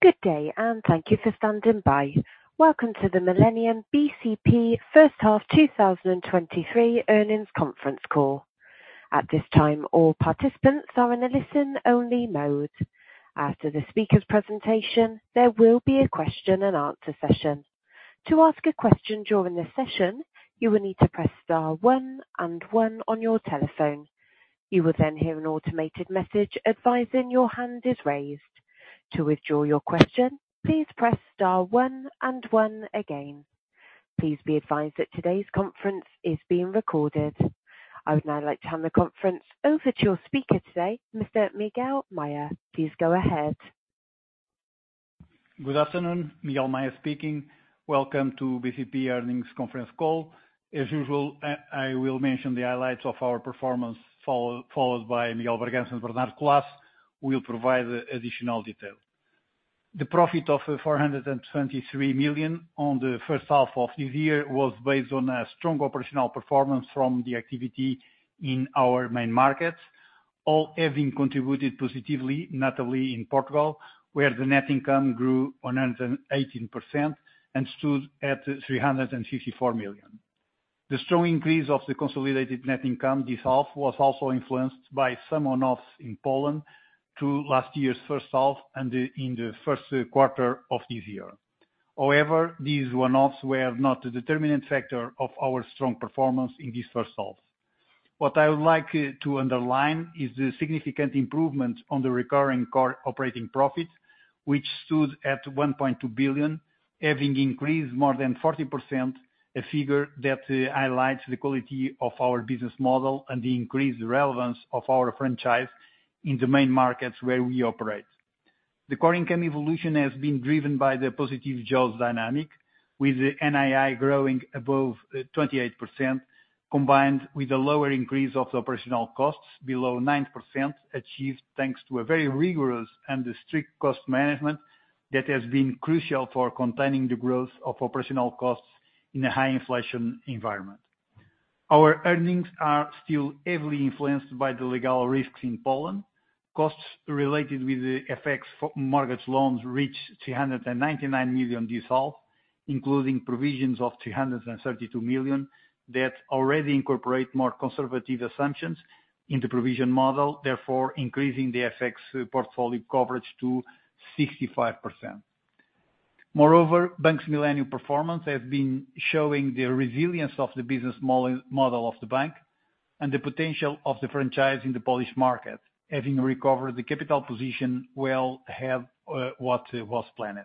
Good day, thank you for standing by. Welcome to the Millennium bcp first half 2023 earnings conference call. At this time, all participants are in a listen-only mode. After the speaker's presentation, there will be a question and answer session. To ask a question during the session, you will need to press star one and one on your telephone. You will then hear an automated message advising your hand is raised. To withdraw your question, please press star one and one again. Please be advised that today's conference is being recorded. I would now like to hand the conference over to your speaker today, Mr. Miguel Maya. Please go ahead. Good afternoon, Miguel Maya speaking. Welcome to BCP earnings conference call. As usual, I will mention the highlights of our performance, followed by Miguel Bragança and Bernardo Collaço will provide additional detail. The profit of 423 million on the first half of this year was based on a strong operational performance from the activity in our main markets, all having contributed positively, notably in Portugal, where the net income grew 118% and stood at 354 million. The strong increase of the consolidated net income this half was also influenced by some one-offs in Poland through last year's first half and in the Q1 of this year. However, these one-offs were not the determining factor of our strong performance in this first half. What I would like to underline is the significant improvement on the recurring core operating profit, which stood at 1.2 billion, having increased more than 40%, a figure that highlights the quality of our business model and the increased relevance of our franchise in the main markets where we operate. The core income evolution has been driven by the positive jobs dynamic, with the NII growing above 28%, combined with a lower increase of the operational costs below 9%, achieved thanks to a very rigorous and strict cost management that has been crucial for containing the growth of operational costs in a high inflation environment. Our earnings are still heavily influenced by the legal risks in Poland. Costs related with the FX for mortgage loans reached 399 million this half, including provisions of 332 million, that already incorporate more conservative assumptions in the provision model, therefore, increasing the FX portfolio coverage to 65%. Bank Millennium performance has been showing the resilience of the business model, model of the bank and the potential of the franchise in the Polish market, having recovered the capital position well ahead what was planned.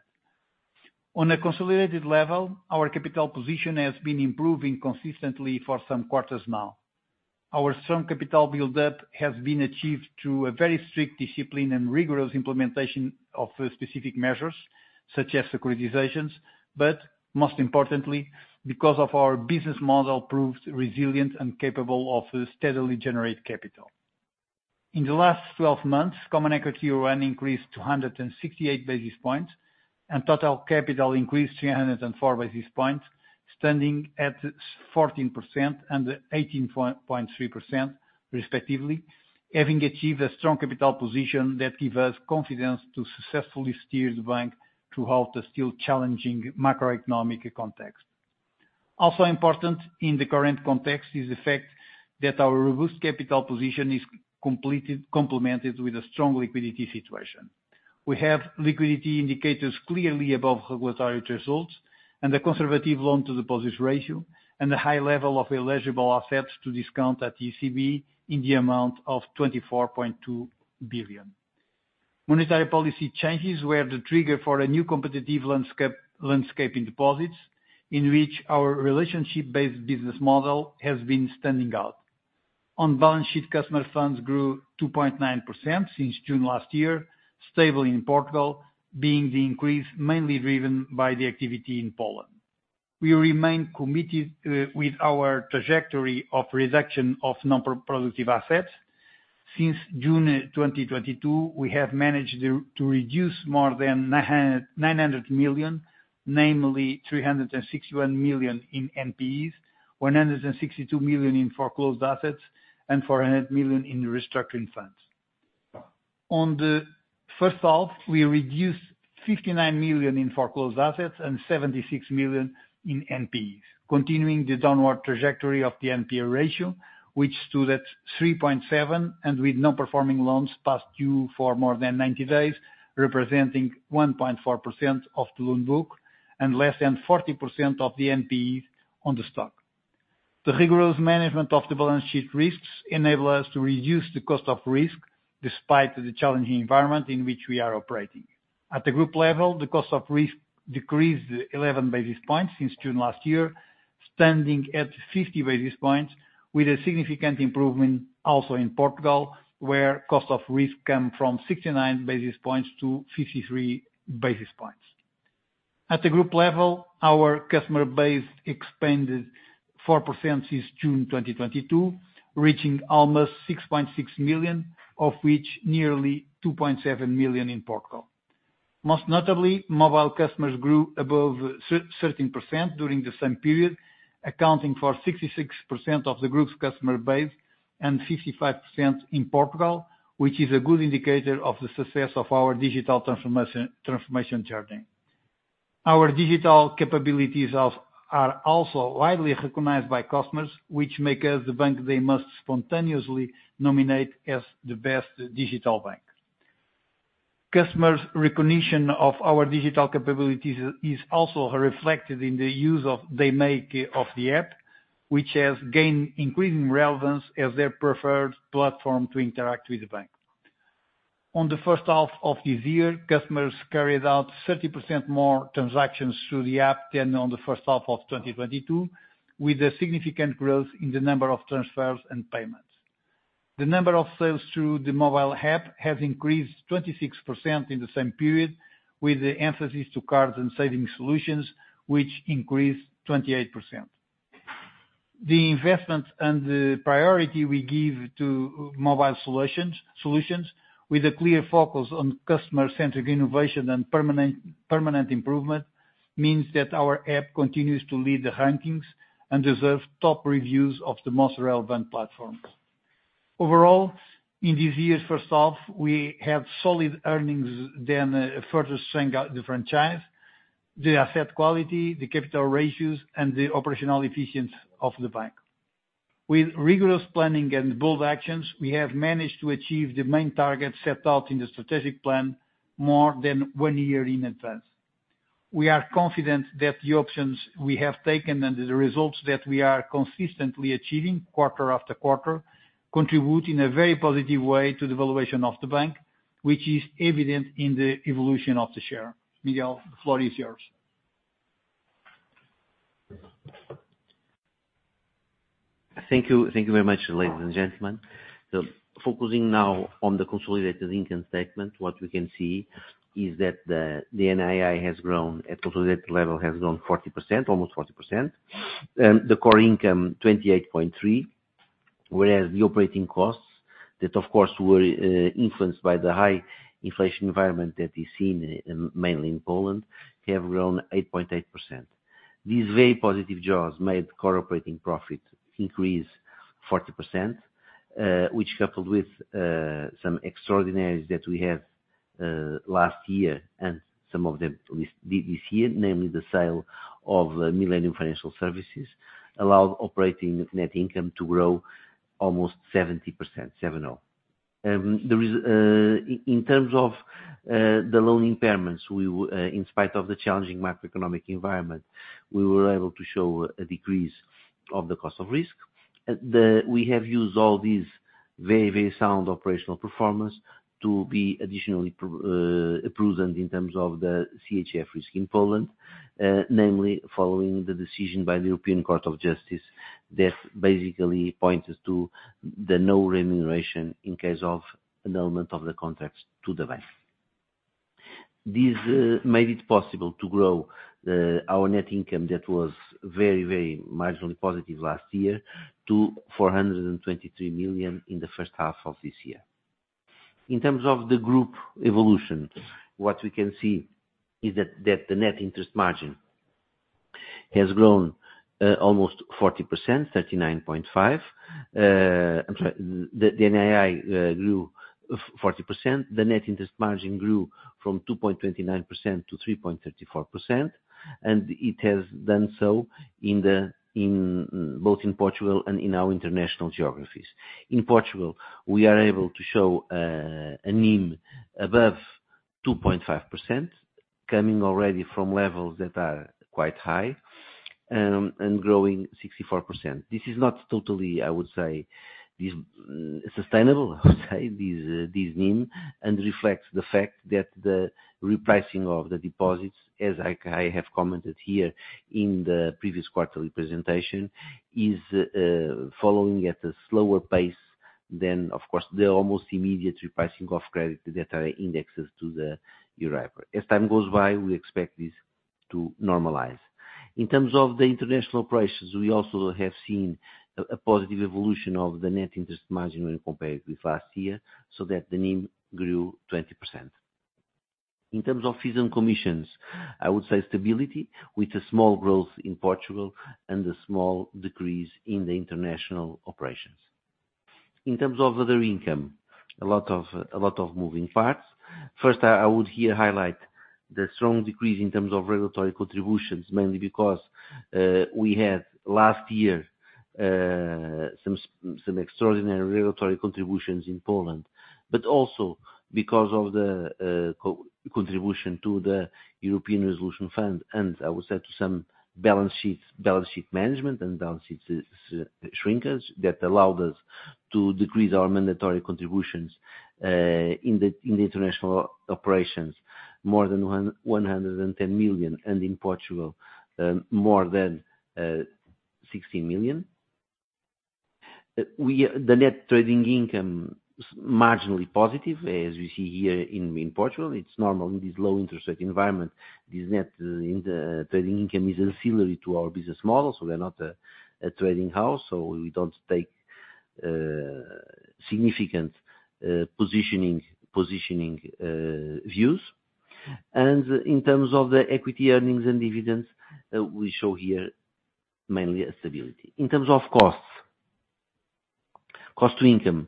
On a consolidated level, our capital position has been improving consistently for some quarters now. Our strong capital build-up has been achieved through a very strict discipline and rigorous implementation of specific measures, such as securitizations, most importantly, because of our business model proves resilient and capable of steadily generate capital. In the last 12 months, Common Equity ran increased to 168 basis points, and total capital increased 304 basis points, standing at 14% and 18.3% respectively, having achieved a strong capital position that give us confidence to successfully steer the bank throughout the still challenging macroeconomic context. Also important in the current context is the fact that our robust capital position is complemented with a strong liquidity situation. We have liquidity indicators clearly above regulatory results and a conservative loan-to-deposit ratio, and a high level of eligible assets to discount at ECB in the amount of 24.2 billion. Monetary policy changes were the trigger for a new competitive landscaping deposits, in which our relationship-based business model has been standing out. On balance sheet, customer funds grew 2.9% since June last year, stable in Portugal, being the increase mainly driven by the activity in Poland. We remain committed with our trajectory of reduction of non-productive assets. Since June 2022, we have managed to reduce more than 900 million, namely 361 million in NPEs, 162 million in foreclosed assets, and 400 million in restructuring funds. On the first half, we reduced 59 million in foreclosed assets and 76 million in NPEs, continuing the downward trajectory of the NPE ratio, which stood at 3.7%, and with non-performing loans past due for more than 90 days, representing 1.4% of the loan book and less than 40% of the NPEs on the stock. The rigorous management of the balance sheet risks enable us to reduce the cost of risk, despite the challenging environment in which we are operating. At the group level, the cost of risk decreased 11 basis points since June last year, standing at 50 basis points, with a significant improvement also in Portugal, where cost of risk came from 69 basis points to 53 basis points. At the group level, our customer base expanded 4% since June 2022, reaching almost 6.6 million, of which nearly 2.7 million in Portugal. Most notably, mobile customers grew above 13% during the same period, accounting for 66% of the group's customer base. 55% in Portugal, which is a good indicator of the success of our digital transformation, transformation journey. Our digital capabilities are also widely recognized by customers, which make us the bank they must spontaneously nominate as the best digital bank. Customers' recognition of our digital capabilities is also reflected in the use of they make of the app, which has gained increasing relevance as their preferred platform to interact with the bank. On the first half of this year, customers carried out 30% more transactions through the app than on the first half of 2022, with a significant growth in the number of transfers and payments. The number of sales through the mobile app has increased 26% in the same period, with the emphasis to cards and savings solutions, which increased 28%. The investment and the priority we give to mobile solutions, solutions, with a clear focus on customer-centric innovation and permanent, permanent improvement, means that our app continues to lead the rankings and deserve top reviews of the most relevant platforms. Overall, in this year's first half, we have solid earnings than further strengthen the franchise, the asset quality, the capital ratios, and the operational efficiency of the bank. With rigorous planning and bold actions, we have managed to achieve the main targets set out in the strategic plan more than one year in advance. We are confident that the options we have taken and the results that we are consistently achieving quarter after quarter, contribute in a very positive way to the valuation of the bank, which is evident in the evolution of the share. Miguel, the floor is yours. Thank you. Thank you very much, ladies and gentlemen. Focusing now on the consolidated income statement, what we can see is that the NII has grown, at consolidated level, has grown 40%, almost 40%, and the core income 28.3%. Whereas the operating costs, that of course, were influenced by the high inflation environment that is seen in mainly in Poland, have grown 8.8%. These very positive draws made core operating profit increase 40%, which coupled with some extraordinaries that we had last year and some of them this, this year, namely the sale of Millennium Financial Services, allowed operating net income to grow almost 70%, 70. There is...In, in terms of the loan impairments, we, in spite of the challenging macroeconomic environment, we were able to show a decrease of the cost of risk. We have used all these very, very sound operational performance to be additionally prudent in terms of the CHF risk in Poland. Namely, following the decision by the European Court of Justice, that basically pointed to the no remuneration in case of annulment of the contracts to the bank. This made it possible to grow the, our net income that was very, very marginally positive last year, to 423 million in the first half of this year. In terms of the group evolution, what we can see is that, that the net interest margin has grown almost 40%, 39.5%. I'm sorry, the, the NII grew 40%. The net interest margin grew from 2.29% to 3.34%, and it has done so in the, in both in Portugal and in our international geographies. In Portugal, we are able to show a NIM above 2.5%, coming already from levels that are quite high, and growing 64%. This is not totally, I would say, this sustainable, I would say, this, this NIM, and reflects the fact that the repricing of the deposits, as I, I have commented here in the previous quarterly presentation, is following at a slower pace than, of course, the almost immediate repricing of credit that are indexes to the euro. As time goes by, we expect this to normalize. In terms of the international prices, we also have seen a positive evolution of the net interest margin when compared with last year, so that the NIM grew 20%. In terms of fees and commissions, I would say stability, with a small growth in Portugal and a small decrease in the international operations. In terms of other income, a lot of moving parts. First, I would here highlight the strong decrease in terms of regulatory contributions, mainly because we had last year some extraordinary regulatory contributions in Poland. Also because of the contribution to the European Resolution Fund, and I would say to some balance sheets, balance sheet management and balance sheets shrinkage, that allowed us to decrease our mandatory contributions in the international operations, more than 110 million, and in Portugal, more than 16 million. We. The net trading income, marginally positive, as we see here in, in Portugal. It's normal in this low interest rate environment. This net in the trading income is ancillary to our business model, so we are not a trading house, so we don't take significant positioning, positioning views. In terms of the equity earnings and dividends, we show here mainly a stability. In terms of costs, cost-to-income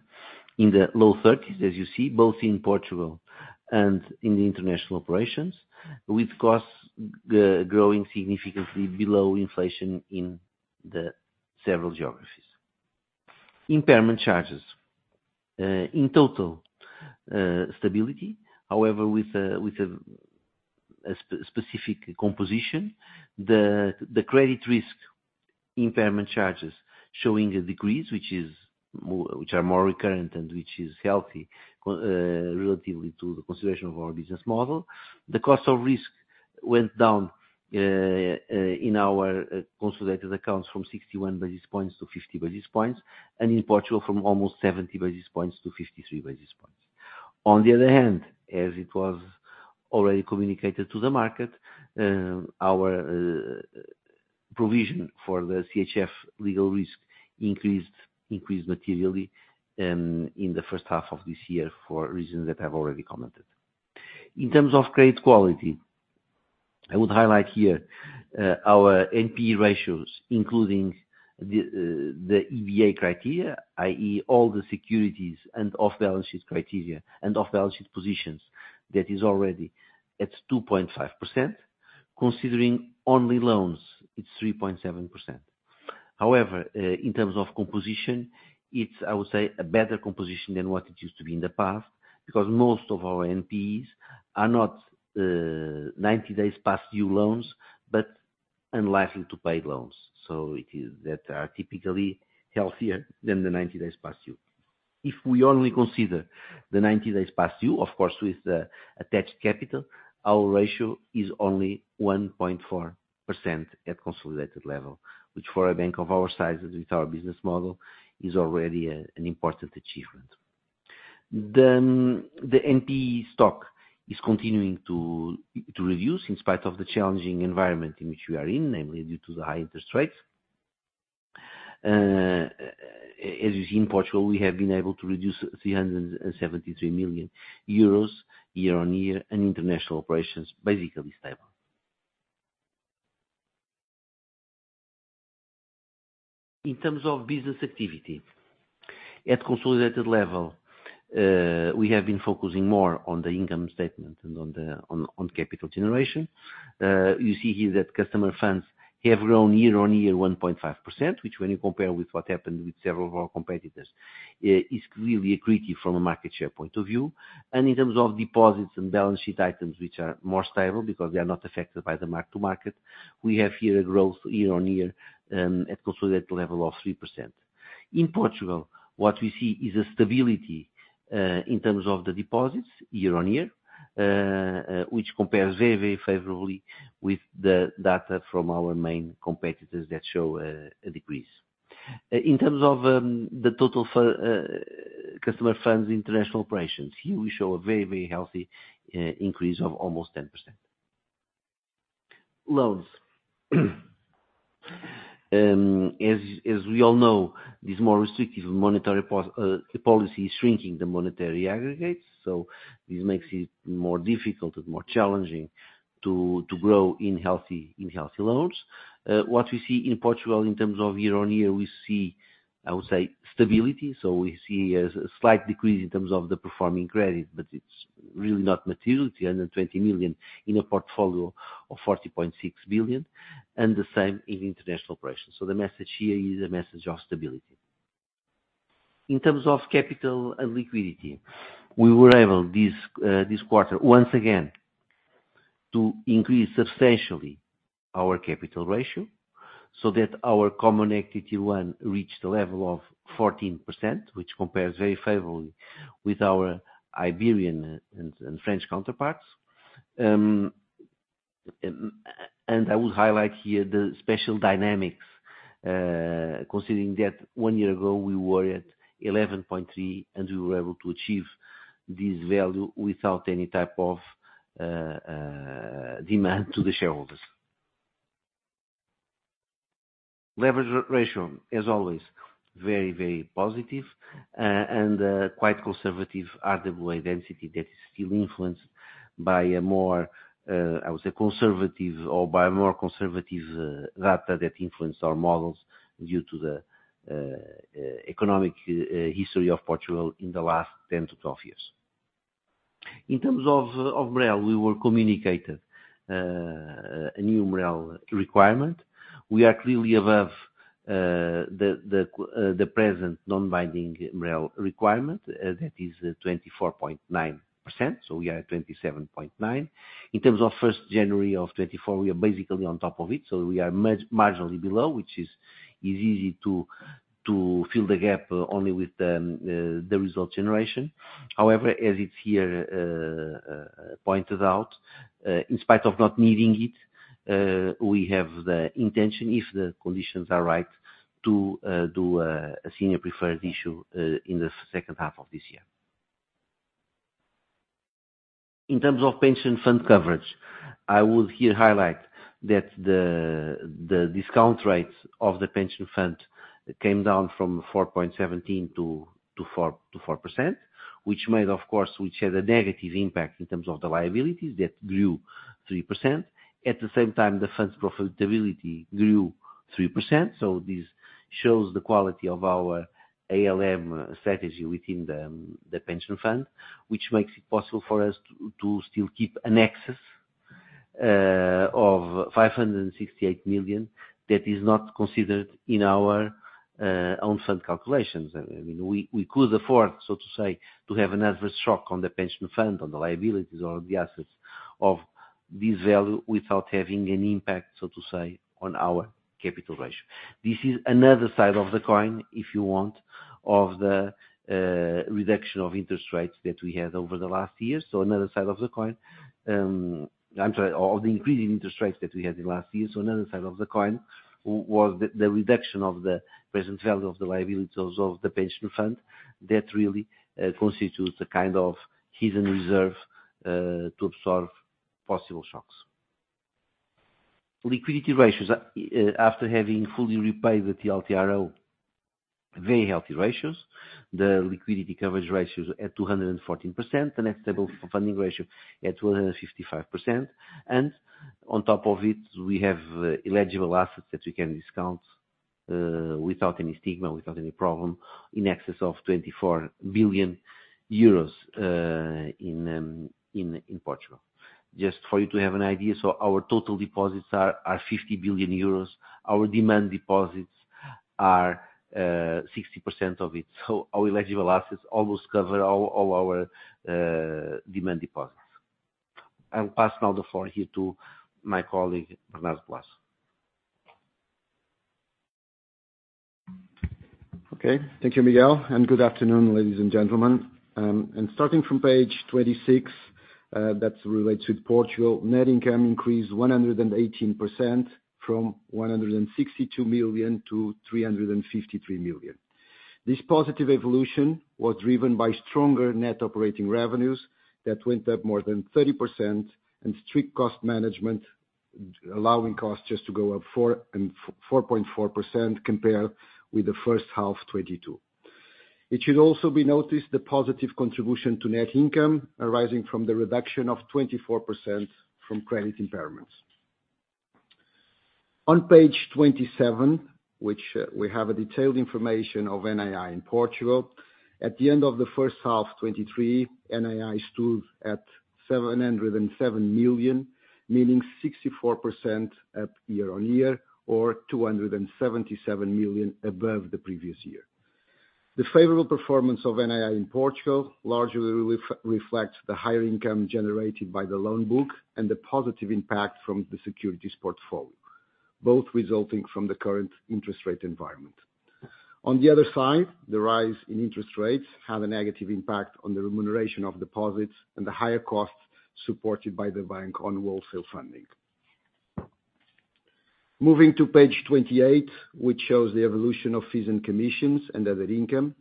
in the low 30s, as you see, both in Portugal and in the international operations, with costs growing significantly below inflation in the several geographies. Impairment charges, in total, stability, however, with a, with a specific composition, the, the credit risk impairment charges showing a decrease, which are more recurrent and which is healthy, relatively to the consideration of our business model. The cost of risk went down in our consolidated accounts from 61 basis points to 50 basis points, and in Portugal from almost 70 basis points to 53 basis points. On the other hand, as it was already communicated to the market, our provision for the CHF legal risk increased, increased materially, in the first half of this year, for reasons that I've already commented. In terms of credit quality, I would highlight here, our NPE ratios, including the, the EBA criteria, i.e., all the securities and off-balance sheet criteria, and off-balance sheet positions that is already at 2.5%. Considering only loans, it's 3.7%. However, in terms of composition, it's, I would say, a better composition than what it used to be in the past, because most of our NPEs are not 90 days past due loans, but unlikely to pay loans, that are typically healthier than the 90 days past due. If we only consider the 90 days past due, of course, with the attached capital, our ratio is only 1.4% at consolidated level, which for a bank of our size, with our business model, is already an important achievement. The NPE stock is continuing to reduce, in spite of the challenging environment in which we are in, namely due to the high interest rates. As you see, in Portugal, we have been able to reduce 373 million euros, year-on-year, and international operations, basically stable. In terms of business activity, at consolidated level, we have been focusing more on the income statement and on the capital generation. You see here that customer funds have grown year-on-year, 1.5%, which when you compare with what happened with several of our competitors, is clearly accretive from a market share point of view. In terms of deposits and balance sheet items, which are more stable because they are not affected by the mark-to-market, we have here a growth year-on-year, at consolidated level of 3%. In Portugal, what we see is a stability in terms of the deposits year-on-year, which compares very, very favorably with the data from our main competitors that show a decrease. In terms of the total for customer funds, international operations, here we show a very, very healthy increase of almost 10%. Loans, as, as we all know, this more restrictive monetary policy is shrinking the monetary aggregates, this makes it more difficult and more challenging to, to grow in healthy, in healthy loans. What we see in Portugal, in terms of year-on-year, we see, I would say, stability. We see a slight decrease in terms of the performing credit, but it's really not material, 320 million in a portfolio of 40.6 billion, and the same in international operations. The message here is a message of stability. In terms of capital and liquidity, we were able, this quarter, once again, to increase substantially our capital ratio, so that our Common Equity one reached a level of 14%, which compares very favorably with our Iberian and French counterparts. I would highlight here the special dynamics, considering that one year ago we were at 11.3, and we were able to achieve this value without any type of demand to the shareholders. Leverage ratio is always very, very positive, and quite conservative RWA density that is still influenced by a more, I would say, conservative or by more conservative data that influenced our models due to the economic history of Portugal in the last 10-12 years. In terms of MREL, we were communicated a new MREL requirement. We are clearly above the present non-binding MREL requirement that is 24.9%, so we are at 27.9%. In terms of 1st January of 2024, we are basically on top of it, so we are marginally below, which is easy to fill the gap only with the result generation. However, as it's here pointed out, in spite of not needing it, we have the intention, if the conditions are right, to do a senior preferred issue in the second half of this year. In terms of pension fund coverage, I would here highlight that the discount rates of the pension fund came down from 4.17% to 4%, which made, of course, which had a negative impact in terms of the liabilities that grew 3%. At the same time, the fund's profitability grew 3%. This shows the quality of our ALM strategy within the pension fund, which makes it possible for us to still keep an excess of 568 million. That is not considered in our own fund calculations. I mean, we, we could afford, so to say, to have an adverse shock on the pension fund, on the liabilities or the assets of this value without having any impact, so to say, on our capital ratio. This is another side of the coin, if you want, of the reduction of interest rates that we had over the last year. Another side of the coin, I'm sorry, of the increasing interest rates that we had in last year. Another side of the coin, was the reduction of the present value of the liabilities of the pension fund. That really constitutes a kind of hidden reserve to absorb possible shocks. Liquidity ratios, after having fully repaid the TLTRO, very healthy ratios. The liquidity coverage ratios at 214%, the net stable funding ratio at 255%. On top of it, we have eligible assets that we can discount without any stigma, without any problem, in excess of 24 billion euros in Portugal. Just for you to have an idea, so our total deposits are 50 billion euros. Our demand deposits are, 60% of it. So our eligible assets almost cover all our demand deposits. I'll pass now the floor here to my colleague, Bernardo Collaço. Okay. Thank you, Miguel, and good afternoon, ladies and gentlemen. Starting from page 26, that relates to Portugal. Net income increased 118% from 162 to 353 million. This positive evolution was driven by stronger net operating revenues that went up more than 30%, and strict cost management, allowing costs just to go up 4.4% compared with the first half 2022. It should also be noticed the positive contribution to net income arising from the reduction of 24% from credit impairments. On page 27, which we have a detailed information of NII in Portugal. At the end of the first half 2023, NII stood at 707 million, meaning 64% year-on-year, or 277 million above the previous year. The favorable performance of NII in Portugal largely reflects the higher income generated by the loan book and the positive impact from the securities portfolio, both resulting from the current interest rate environment. The other side, the rise in interest rates have a negative impact on the remuneration of deposits and the higher costs supported by the bank on wholesale funding. Moving to page 28, which shows the evolution of fees and commissions and other income.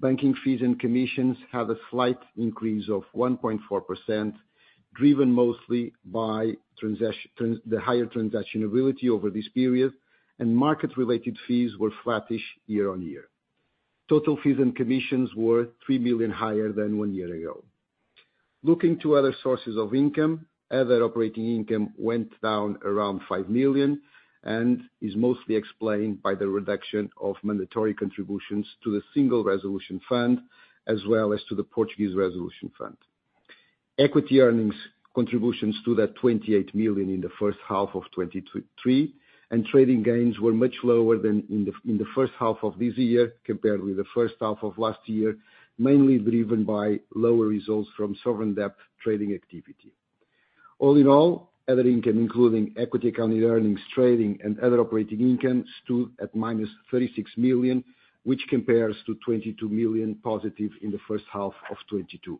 Banking fees and commissions have a slight increase of 1.4%, driven mostly by the higher transaction ability over this period, and market-related fees were flattish year-on-year. Total fees and commissions were 3 million higher than one year ago. Looking to other sources of income, other operating income went down around 5 million and is mostly explained by the reduction of mandatory contributions to the Single Resolution Fund, as well as to the Portuguese Resolution Fund. Equity earnings contributions stood at 28 million in the first half of 2023, and trading gains were much lower than in the first half of this year, compared with the first half of last year, mainly driven by lower results from sovereign debt trading activity. All in all, other income, including equity, accounting, earnings, trading and other operating income, stood at minus 36 million, which compares to 22 million positive in the first half of 2022.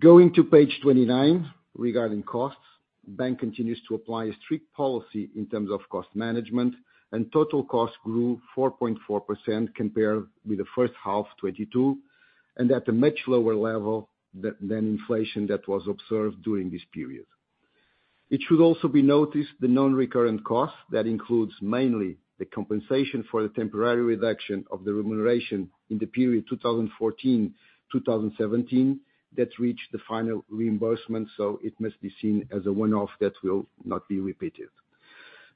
Going to page 29, regarding costs. Bank continues to apply a strict policy in terms of cost management. Total cost grew 4.4% compared with the first half 2022, and at a much lower level than inflation that was observed during this period. It should also be noticed, the non-recurrent cost, that includes mainly the compensation for the temporary reduction of the remuneration in the period 2014, 2017, that reached the final reimbursement, so it must be seen as a one-off that will not be repeated.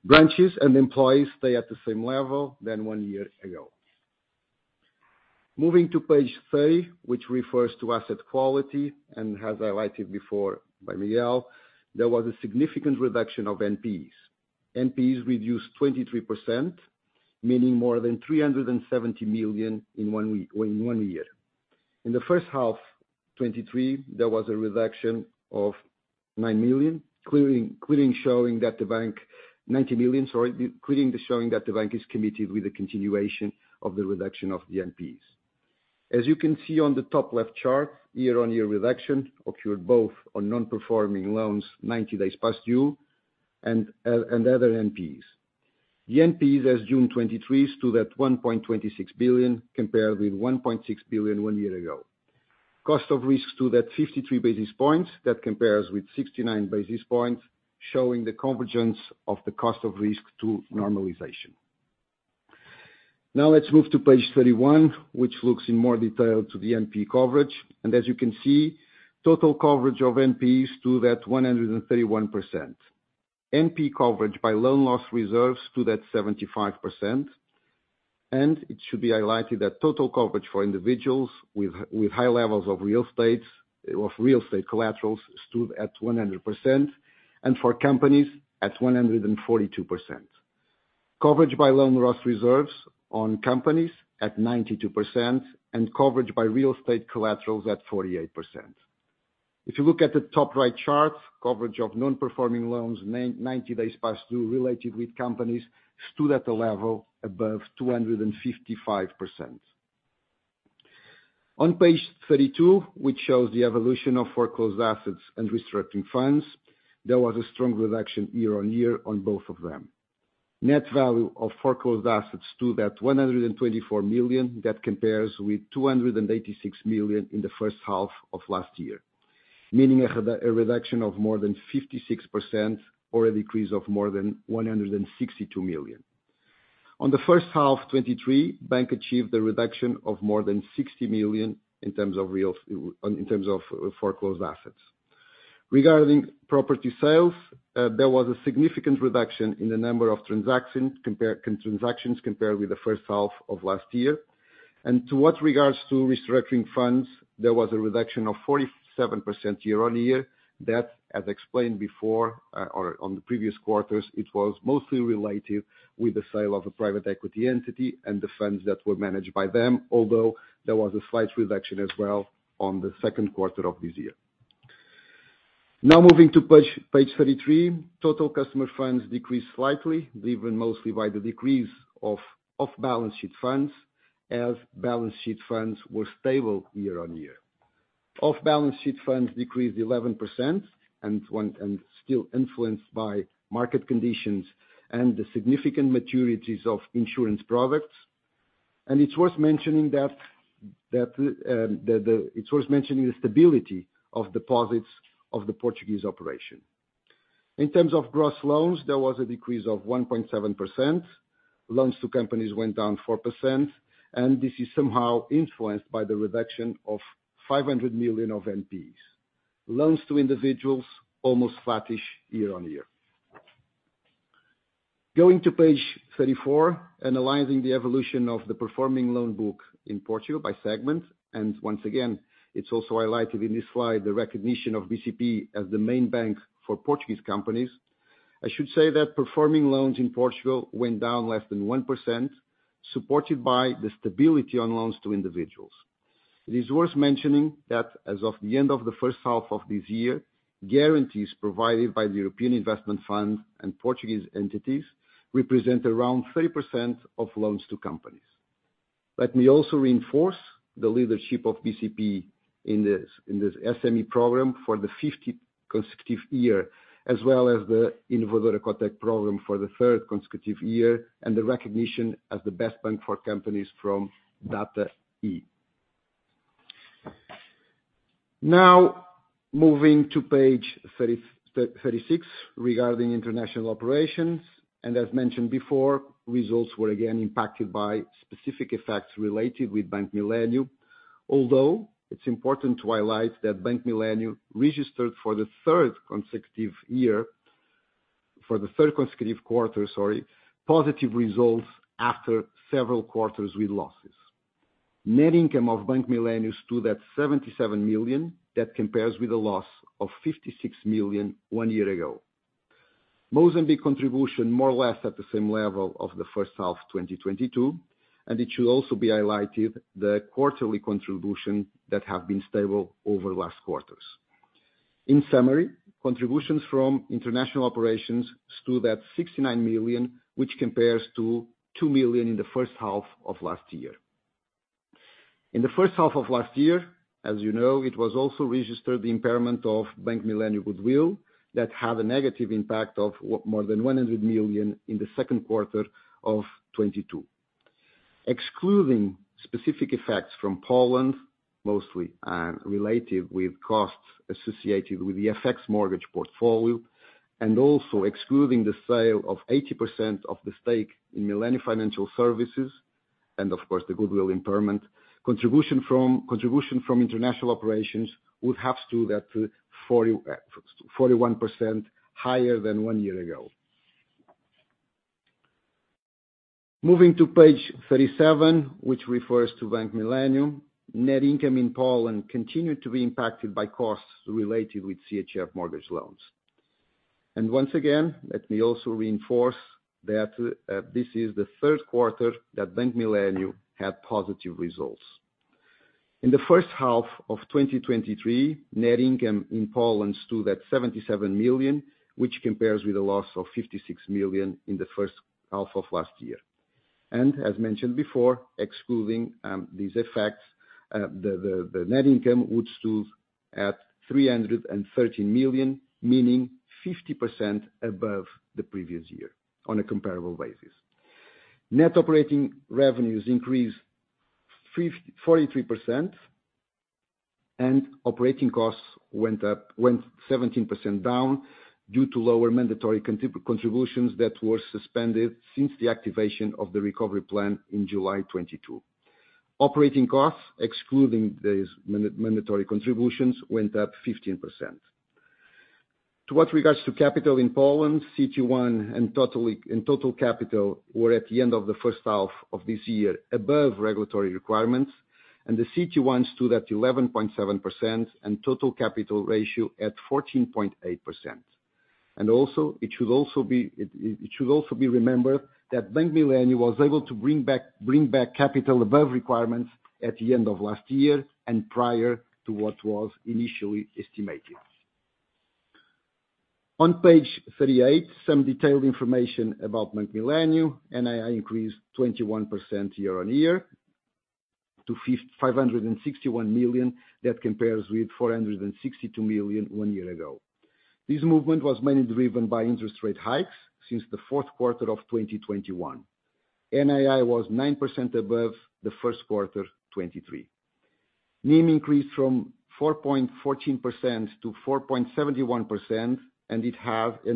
Branches and employees stay at the same level than one year ago. Moving to page 30, which refers to asset quality. As highlighted before by Miguel, there was a significant reduction of NPEs. NPEs reduced 23%, meaning more than 370 million in one year. In the first half 2023, there was a reduction of 9 million. 90 million, sorry. Clearing and showing that the bank is committed with the continuation of the reduction of the NPEs. As you can see on the top left chart, year-on-year reduction occurred both on non-performing loans, 90 days past due, and other NPEs. The NPEs as June 2023 stood at 1.26 billion, compared with 1.6 billion one year ago. Cost of risk stood at 53 basis points. That compares with 69 basis points, showing the convergence of the cost of risk to normalization. Now let's move to page 31, which looks in more detail to the NPE coverage. As you can see, total coverage of NPEs stood at 131%. NPE coverage by loan loss reserves stood at 75%. It should be highlighted that total coverage for individuals with high levels of real estate collaterals stood at 100%, and for companies at 142%. Coverage by loan loss reserves on companies at 92%. Coverage by real estate collaterals at 48%. If you look at the top right chart, coverage of NPLs, 90 days past due, related with companies, stood at a level above 255%. On page 32, which shows the evolution of foreclosed assets and restructuring funds, there was a strong reduction year-over-year on both of them. Net value of foreclosed assets stood at 124 million. That compares with 286 million in the first half of last year, meaning a reduction of more than 56% or a decrease of more than 162 million. On the first half 2023, bank achieved a reduction of more than 60 million in terms of real, in terms of foreclosed assets. Regarding property sales, there was a significant reduction in the number of transactions compared with the first half of last year. To what regards to restructuring funds, there was a reduction of 47% year-on-year. That, as explained before, or on the previous quarters, it was mostly related with the sale of a private equity entity and the funds that were managed by them, although there was a slight reduction as well on the Q2 of this year. Now moving to page 33, total customer funds decreased slightly, driven mostly by the decrease of off-balance sheet funds, as balance sheet funds were stable year-on-year. Off-balance sheet funds decreased 11%, still influenced by market conditions and the significant maturities of insurance products. It's worth mentioning that it's worth mentioning the stability of deposits of the Portuguese operation. In terms of gross loans, there was a decrease of 1.7%. Loans to companies went down 4%, this is somehow influenced by the reduction of 500 million of NPEs. Loans to individuals, almost flattish year-on-year. Going to page 34, analyzing the evolution of the performing loan book in Portugal by segment, once again, it's also highlighted in this slide, the recognition of BCP as the main bank for Portuguese companies. I should say that performing loans in Portugal went down less than 1%, supported by the stability on loans to individuals. It is worth mentioning that as of the end of the first half of this year, guarantees provided by the European Investment Fund and Portuguese entities represent around 30% of loans to companies. Let me also reinforce the leadership of BCP in this, in this SME program for the fifth consecutive year, as well as the Inovadora COTEC program for the third consecutive year, and the recognition as the best bank for companies from Data E. Now, moving to page 36, regarding international operations, and as mentioned before, results were again impacted by specific effects related with Bank Millennium. Although, it's important to highlight that Bank Millennium registered for the third consecutive year... For the third consecutive quarter, sorry, positive results after several quarters with losses. Net income of Bank Millennium stood at 77 million. That compares with a loss of 56 million one year ago. Mozambique contribution, more or less, at the same level of the first half, 2022. It should also be highlighted, the quarterly contribution that have been stable over the last quarters. In summary, contributions from international operations stood at 69 million, which compares to 2 million in the first half of last year. In the first half of last year, as you know, it was also registered the impairment of Bank Millennium goodwill, that had a negative impact of more than 100 million in the Q2 of 2022. Excluding specific effects from Poland, mostly, related with costs associated with the FX mortgage portfolio, also excluding the sale of 80% of the stake in Millennium Financial Services, of course, the goodwill impairment, contribution from international operations would have stood at 41% higher than one year ago. Moving to page 37, which refers to Bank Millennium, net income in Poland continued to be impacted by costs related with CHF mortgage loans. Once again, let me also reinforce that, this is the Q3 that Bank Millennium had positive results. In the first half of 2023, net income in Poland stood at 77 million, which compares with a loss of 56 million in the first half of last year. As mentioned before, excluding these effects, the net income would stood at 313 million, meaning 50% above the previous year on a comparable basis. Net operating revenues increased 43%, and operating costs went 17% down due to lower mandatory contributions that were suspended since the activation of the recovery plan in July 2022. Operating costs, excluding these mandatory contributions, went up 15%. To what regards to capital in Poland, CT1 and totally, in total capital were at the end of the first half of this year, above regulatory requirements, and the CT1 stood at 11.7% and total capital ratio at 14.8%. It should also be remembered that Bank Millennium was able to bring back capital above requirements at the end of last year and prior to what was initially estimated. On page 38, some detailed information about Bank Millennium, NII increased 21% year-on-year to 561 million. That compares with 462 million one year ago. This movement was mainly driven by interest rate hikes since the Q4 of 2021. NII was 9% above the Q1 2023. NIM increased from 4.14% to 4.71%, and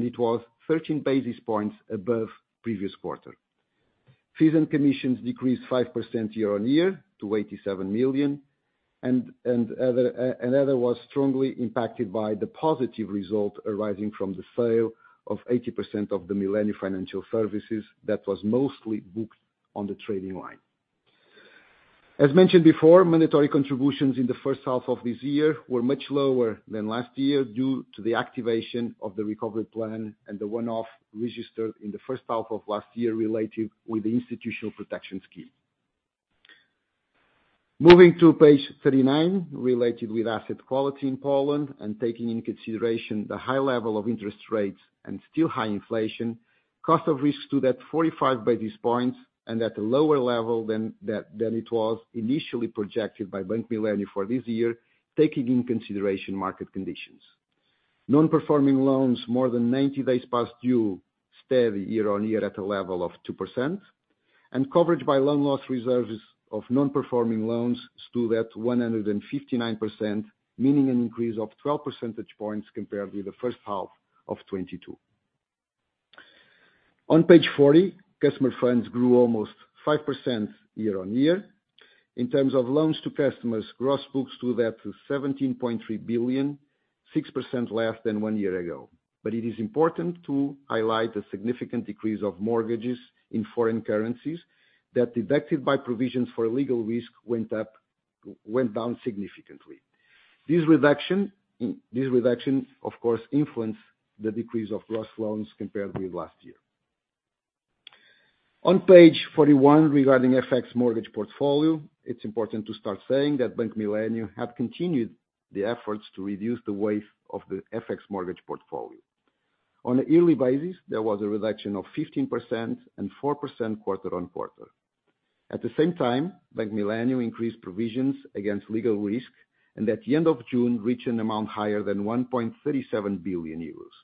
it was 13 basis points above previous quarter. Fees and commissions decreased 5% year-on-year to 87 million, and, and other, and other was strongly impacted by the positive result arising from the sale of 80% of the Millennium Financial Services that was mostly booked on the trading line. As mentioned before, mandatory contributions in the first half of this year were much lower than last year due to the activation of the recovery plan and the one-off registered in the first half of last year related with the Institutional Protection Scheme. Moving to page 39, related with asset quality in Poland, and taking into consideration the high level of interest rates and still high inflation, cost of risk stood at 45 basis points and at a lower level than that, than it was initially projected by Bank Millennium for this year, taking into consideration market conditions. Non-performing loans, more than 90 days past due, steady year-on-year at a level of 2%, Coverage by loan loss reserves of non-performing loans stood at 159%, meaning an increase of 12 percentage points compared with the first half of 2022. On page 40, customer funds grew almost 5% year-on-year. In terms of loans to customers, gross books stood up to 17.3 billion, 6% less than one year ago. It is important to highlight the significant decrease of mortgages in foreign currencies that, deducted by provisions for legal risk, went down significantly. This reduction, of course, influenced the decrease of gross loans compared with last year. On page 41, regarding FX mortgage portfolio, it's important to start saying that Bank Millennium have continued the efforts to reduce the weight of the FX mortgage portfolio. On a yearly basis, there was a reduction of 15% and 4% quarter-on-quarter. At the same time, Bank Millennium increased provisions against legal risk, and at the end of June, reached an amount higher than 1.37 billion euros.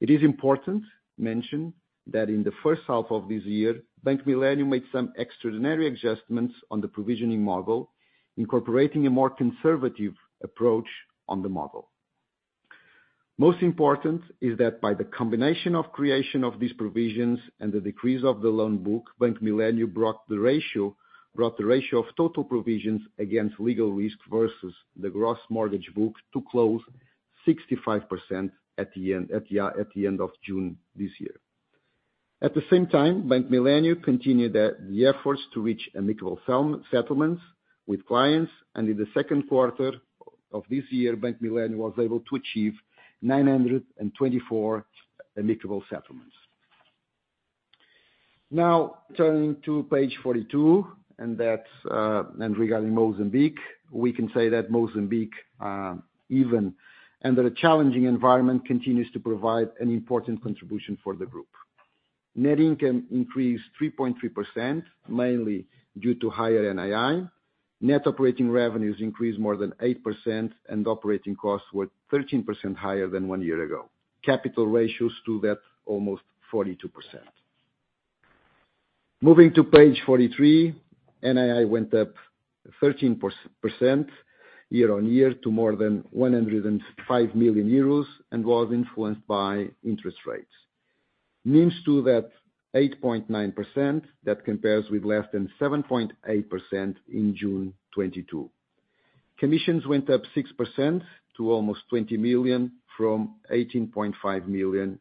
It is important mention that in the first half of this year, Bank Millennium made some extraordinary adjustments on the provisioning model, incorporating a more conservative approach on the model. Most important is that by the combination of creation of these provisions and the decrease of the loan book, Bank Millennium brought the ratio, brought the ratio of total provisions against legal risk versus the gross mortgage book, to close 65% at the end, at the end of June this year. At the same time, Bank Millennium continued the efforts to reach amicable settlements with clients, and in the second quarter of this year, Bank Millennium was able to achieve 924 amicable settlements. Now, turning to page 42, and regarding Mozambique, we can say that Mozambique, even under a challenging environment, continues to provide an important contribution for the group. Net income increased 3.3%, mainly due to higher NII. Net operating revenues increased more than 8%, and operating costs were 13% higher than one year ago. Capital ratios stood at almost 42%. Moving to page 43, NII went up 13% year-on-year to more than 105 million euros and was influenced by interest rates. NIMs stood at 8.9%. That compares with less than 7.8% in June 2022. Commissions went up 6% to almost 20 million, from 18.5 million,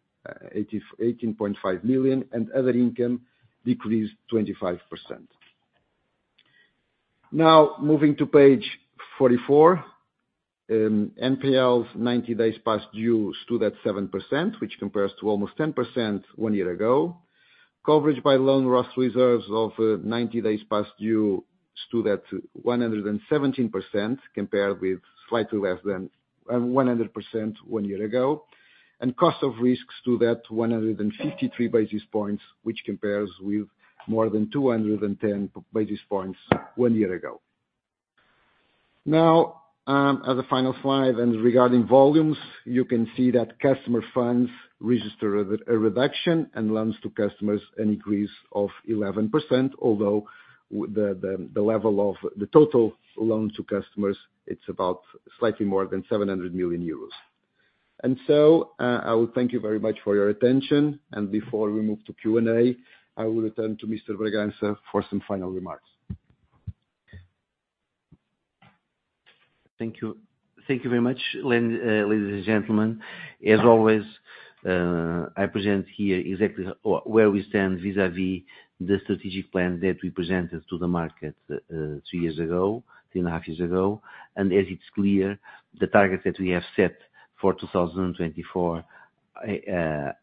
18.5 million. Other income decreased 25%. Moving to page 44, NPLs 90 days past due stood at 7%, which compares to almost 10% one year ago. Coverage by loan loss reserves of 90 days past due stood at 117%, compared with slightly less than 100% one year ago. Cost of risk stood at 153 basis points, which compares with more than 210 basis points one year ago. As a final slide and regarding volumes, you can see that customer funds registered a reduction and loans to customers an increase of 11%, although the level of the total loans to customers, it's about slightly more than 700 million euros. I will thank you very much for your attention, and before we move to Q&A, I will return to Mr. Bragança for some final remarks. Thank you. Thank you very much, ladies and gentlemen. As always, I present here exactly where we stand vis-a-vis the strategic plan that we presented to the market, three years ago, three and a half years ago. As it's clear, the targets that we have set for 2024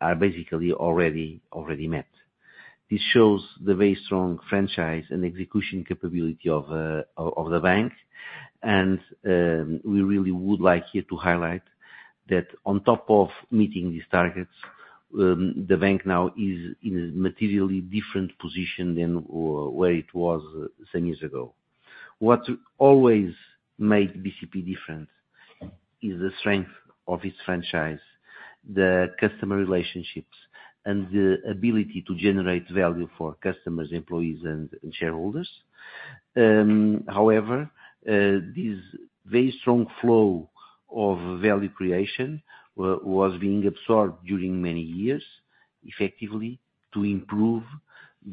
are basically already, already met. This shows the very strong franchise and execution capability of, of the bank. We really would like here to highlight, that on top of meeting these targets, the bank now is in a materially different position than where it was some years ago. What always made BCP different is the strength of its franchise, the customer relationships, and the ability to generate value for customers, employees, and shareholders. However, this very strong flow of value creation was being absorbed during many years, effectively, to improve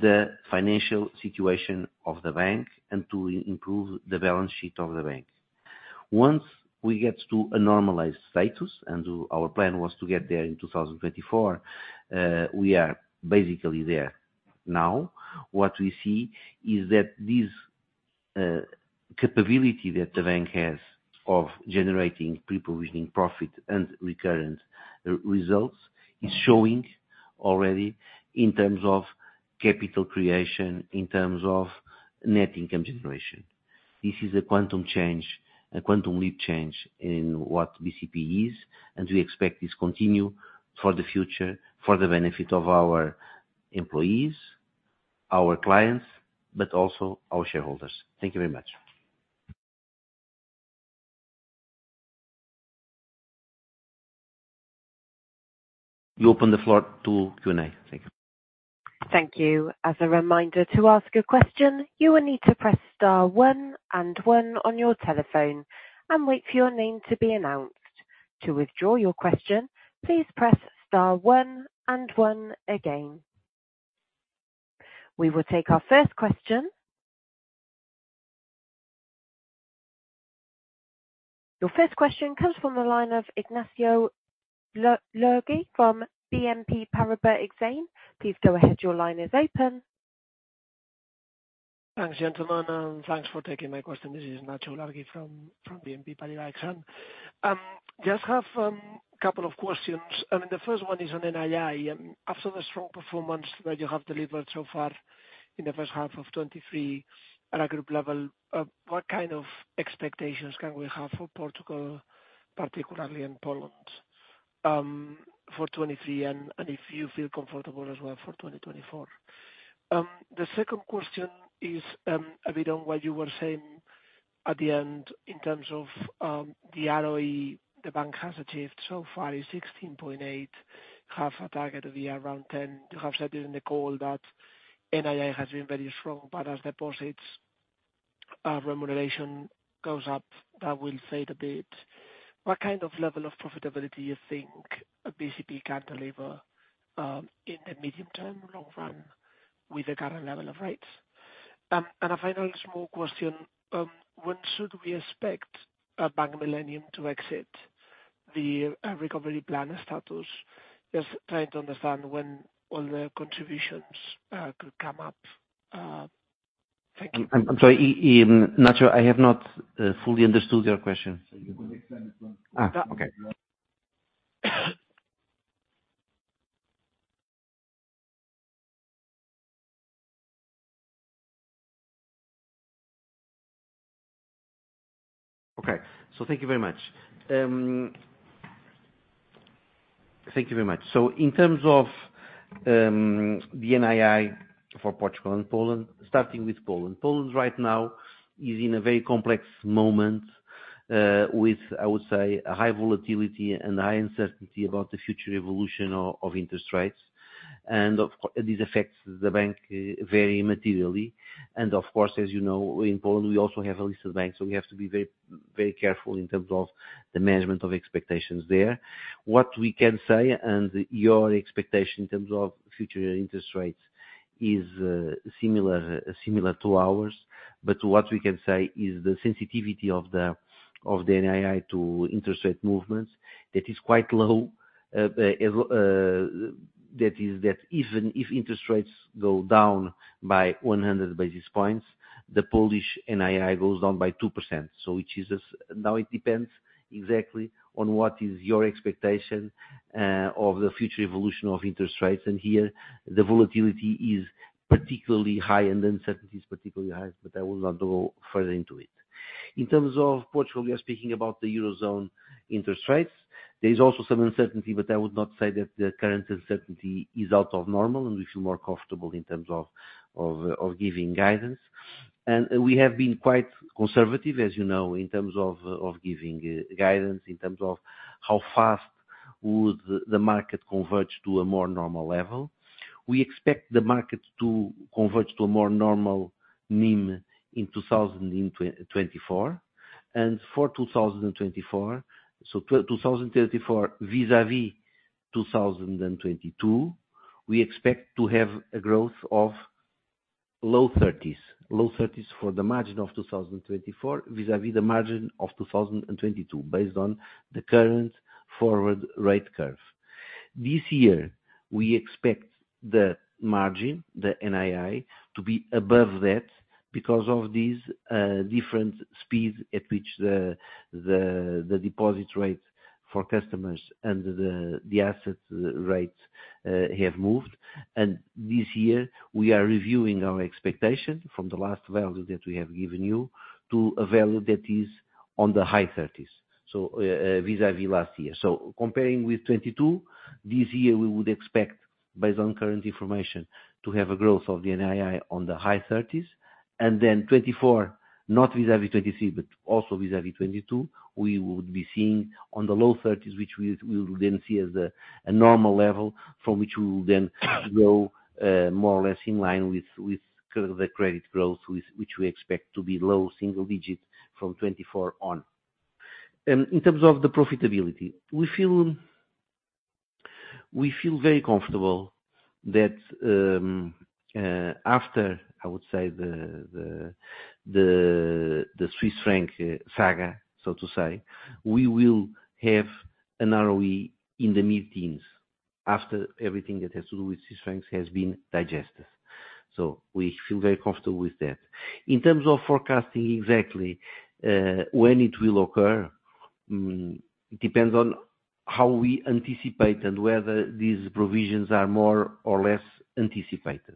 the financial situation of the bank and to improve the balance sheet of the bank. Once we get to a normalized status, and our plan was to get there in 2024, we are basically there now. What we see is that this capability that the bank has of generating pre-provisioning profit and recurrent results, is showing already in terms of capital creation, in terms of net income generation. This is a quantum change, a quantum leap change in what BCP is, and we expect this continue for the future, for the benefit of our employees, our clients, but also our shareholders. Thank you very much. You open the floor to Q&A. Thank you. Thank you. As a reminder, to ask a question, you will need to press star 1 and 1 on your telephone and wait for your name to be announced. To withdraw your question, please press star 1 and 1 again. We will take our first question. Your first question comes from the line of Ignacio Ulargui from BNP Paribas Exane. Please go ahead, your line is open. Thanks, gentlemen. Thanks for taking my question. This is Ignacio Ulargui from BNP Paribas Exane. Just have a couple of questions. I mean, the first one is on NII. After the strong performance that you have delivered so far in the first half of 2023, at a group level, what kind of expectations can we have for Portugal, particularly in Poland, for 2023, and if you feel comfortable as well for 2024? The second question is a bit on what you were saying at the end in terms of the ROE the bank has achieved so far is 16.8%, have a target of year around 10%. You have said in the call that NII has been very strong, but as deposits remuneration goes up, that will fade a bit. What kind of level of profitability you think BCP can deliver, in the medium term, long run, with the current level of rates? A final small question: When should we expect Bank Millennium to exit the recovery plan status? Just trying to understand when all the contributions could come up. Thank you. I'm, I'm sorry, Ignacio, I have not fully understood your question. You can explain as well. Okay. Okay. Thank you very much. Thank you very much. In terms of the NII for Portugal and Poland, starting with Poland. Poland, right now, is in a very complex moment, with, I would say, a high volatility and high uncertainty about the future evolution of interest rates, this affects the bank very materially. Of course, as you know, in Poland, we also have a listed bank, so we have to be very, very careful in terms of the management of expectations there. What we can say, and your expectation in terms of future interest rates is similar, similar to ours, but what we can say is the sensitivity of the NII to interest rate movements, that is quite low. That is that even if interest rates go down by 100 basis points, the Polish NII goes down by 2%. Which is this, now it depends exactly on what is your expectation of the future evolution of interest rates, and here, the volatility is particularly high, and the uncertainty is particularly high, but I will not go further into it. In terms of Portugal, we are speaking about the Eurozone interest rates. There is also some uncertainty, but I would not say that the current uncertainty is out of normal, and we feel more comfortable in terms of, of giving guidance. We have been quite conservative, as you know, in terms of, of giving guidance, in terms of how fast would the market converge to a more normal level. We expect the market to converge to a more normal NIM in 2024. For 2024, so 2024, vis-a-vis 2022, we expect to have a growth of low 30s, low 30s for the margin of 2024, vis-a-vis the margin of 2022, based on the current forward rate curve. This year, we expect the margin, the NII, to be above that because of these different speeds at which the, the, the deposit rates for customers and the, the asset rates have moved. This year, we are reviewing our expectation from the last value that we have given you to a value that is on the high 30s, so vis-a-vis last year. Comparing with 2022, this year, we would expect, based on current information, to have a growth of the NII on the high 30s. Then 2024, not vis-a-vis 2023, but also vis-a-vis 2022, we would be seeing on the low 30s, which we, we will then see as a, a normal level from which we will then grow, more or less in line with, with the credit growth, which, which we expect to be low single digits from 2024 on. In terms of the profitability, we feel, we feel very comfortable that, after, I would say, the, the, the, the Swiss franc saga, so to say, we will have an ROE in the mid-teens after everything that has to do with Swiss francs has been digested. We feel very comfortable with that. In terms of forecasting exactly, when it will occur, depends on how we anticipate and whether these provisions are more or less anticipated.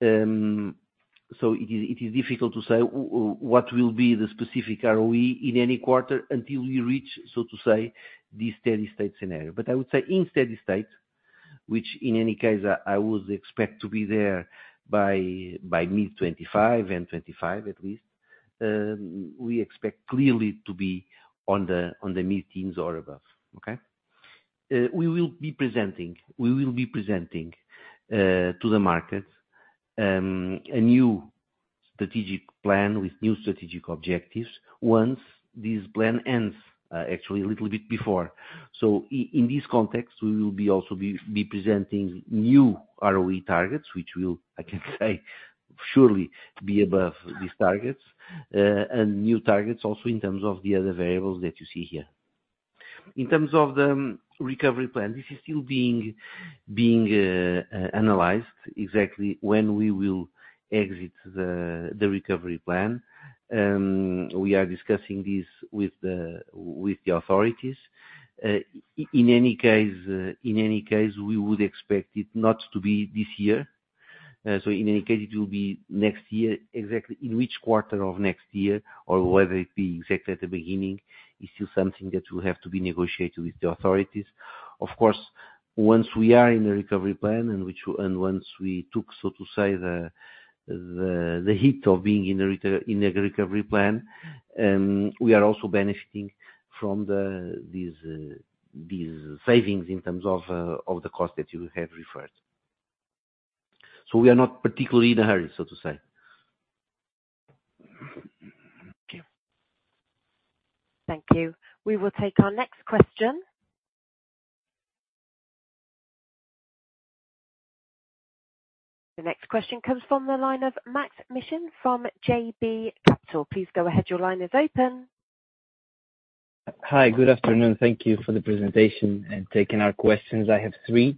So it is, it is difficult to say what will be the specific ROE in any quarter until we reach, so to say, the steady state scenario. But I would say in steady state, which in any case, I, I would expect to be there by, by mid-2025 and 2025 at least, we expect clearly to be on the, on the mid-teens or above. Okay? We will be presenting, we will be presenting to the market, a new strategic plan with new strategic objectives once this plan ends, actually a little bit before. In this context, we will also be presenting new ROE targets, which will, I can say, surely be above these targets, and new targets also in terms of the other variables that you see here. In terms of the recovery plan, this is still being analyzed exactly when we will exit the recovery plan. We are discussing this with the authorities. In any case, in any case, we would expect it not to be this year. In any case, it will be next year. Exactly in which quarter of next year or whether it be exactly at the beginning, is still something that will have to be negotiated with the authorities. Of course, once we are in a recovery plan and which and once we took, so to say, the hit of being in a recovery plan, we are also benefiting from these savings in terms of the cost that you have referred. We are not particularly in a hurry, so to say. Thank you. Thank you. We will take our next question. The next question comes from the line of Maksym Mishyn from JB Capital. Please go ahead. Your line is open. Hi, good afternoon. Thank you for the presentation and taking our questions. I have three.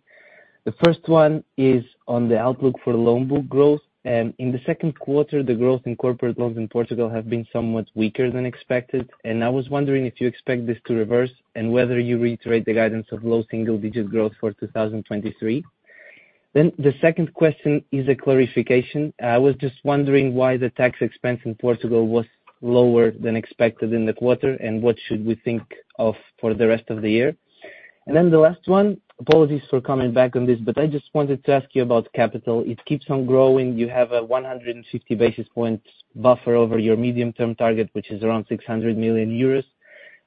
The first one is on the outlook for loan book growth. In the Q2, the growth in corporate loans in Portugal have been somewhat weaker than expected, and I was wondering if you expect this to reverse and whether you reiterate the guidance of low single digit growth for 2023. The second question is a clarification. I was just wondering why the tax expense in Portugal was lower than expected in the quarter, and what should we think of for the rest of the year? The last one, apologies for coming back on this, but I just wanted to ask you about capital. It keeps on growing. You have a 150 basis points buffer over your medium-term target, which is around 600 million euros.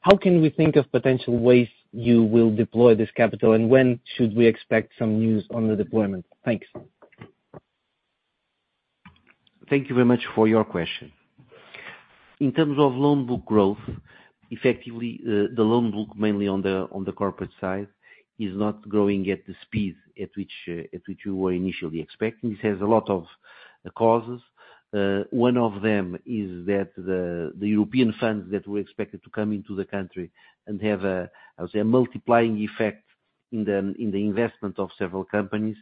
How can we think of potential ways you will deploy this capital? When should we expect some news on the deployment? Thanks. Thank you very much for your question. In terms of loan book growth, effectively, the loan book, mainly on the, on the corporate side, is not growing at the speed at which, at which we were initially expecting. This has a lot of causes. One of them is that the, the European funds that were expected to come into the country and have a, I would say, a multiplying effect in the, in the investment of several companies,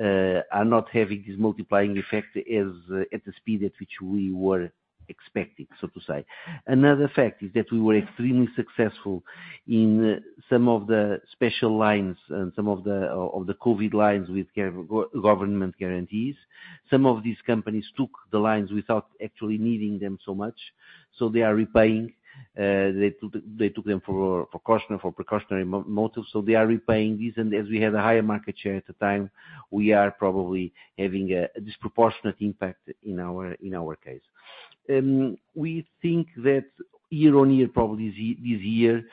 are not having this multiplying effect as, at the speed at which we were expecting, so to say. Another fact is that we were extremely successful in some of the special lines and some of the, of the COVID lines with government guarantees. Some of these companies took the lines without actually needing them so much, so they are repaying, they took, they took them for precautionary, for precautionary motive, so they are repaying these. As we had a higher market share at the time, we are probably having a disproportionate impact in our, in our case. We think that year on year, probably this, this year,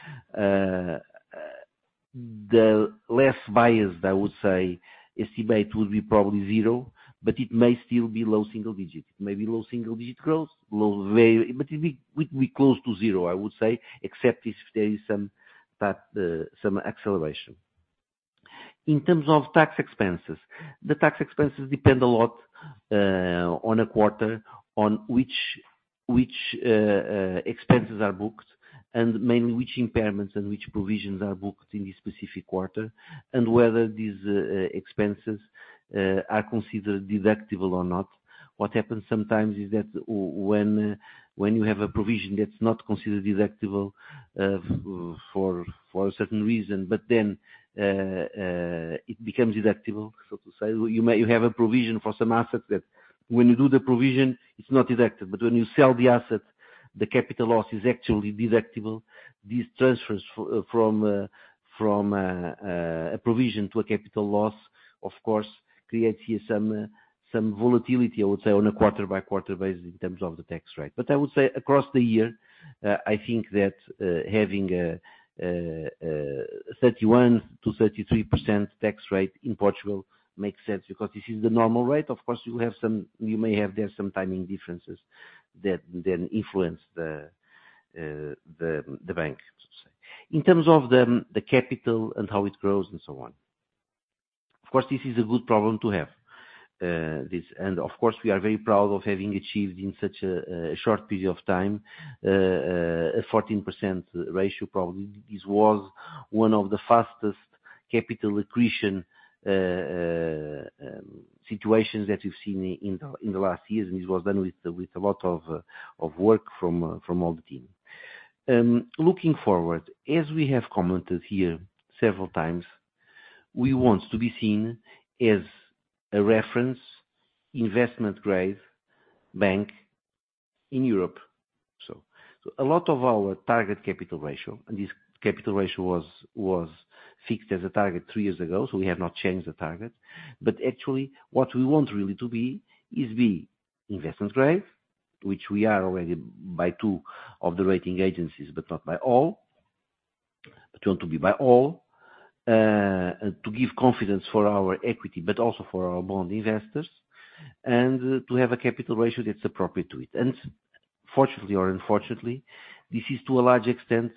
the less biased, I would say, estimate will be probably 0, but it may still be low single digit. Maybe low single digit growth, low very, but we close to 0, I would say, except if there is some, but some acceleration. In terms of tax expenses, the tax expenses depend a lot, on a quarter on which, which, expenses are booked, and mainly which impairments and which provisions are booked in this specific quarter, and whether these expenses are considered deductible or not. What happens sometimes is that when, when you have a provision that's not considered deductible, for, for a certain reason, but then, it becomes deductible, so to say, you have a provision for some assets that when you do the provision, it's not deducted. But when you sell the assets, the capital loss is actually deductible. These transfers from, from, a provision to a capital loss, of course, creates here some, some volatility, I would say, on a quarter by quarter basis in terms of the tax rate. I would say across the year, I think that having a 31% to 33% tax rate in Portugal makes sense, because this is the normal rate. Of course, you may have there some timing differences that then influence the bank, so to say. In terms of the capital and how it grows and so on. Of course, this is a good problem to have, this and of course, we are very proud of having achieved in such a short period of time, a 14% ratio, probably. This was one of the fastest capital accretion situations that we've seen in the last years, and it was done with a lot of work from all the team. Looking forward, as we have commented here several times, we want to be seen as a reference investment grade bank in Europe. A lot of our target capital ratio. This capital ratio was fixed as a target three years ago, so we have not changed the target. Actually, what we want really to be is investment grade, which we are already by two of the rating agencies, but not by all. We want to be by all, and to give confidence for our equity, but also for our bond investors, and to have a capital ratio that's appropriate to it. Fortunately or unfortunately, this is to a large extent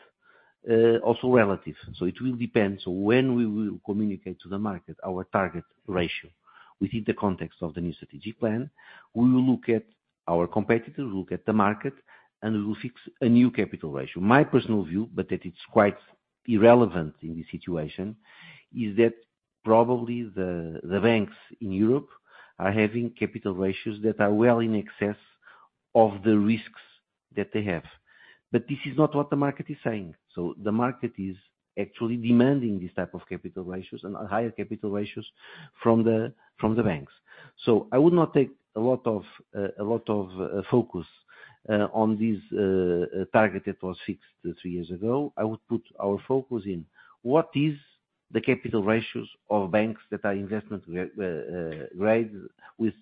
also relative. It will depend. When we will communicate to the market our target ratio within the context of the new strategic plan, we will look at our competitors, we will look at the market, and we will fix a new capital ratio. My personal view, but that it's quite irrelevant in this situation, is that probably the banks in Europe are having capital ratios that are well in excess of the risks that they have. This is not what the market is saying. The market is actually demanding this type of capital ratios and higher capital ratios from the banks. I would not take a lot of focus on this target that was fixed three years ago. I would put our focus in what is the capital ratios of banks that are investment grade, with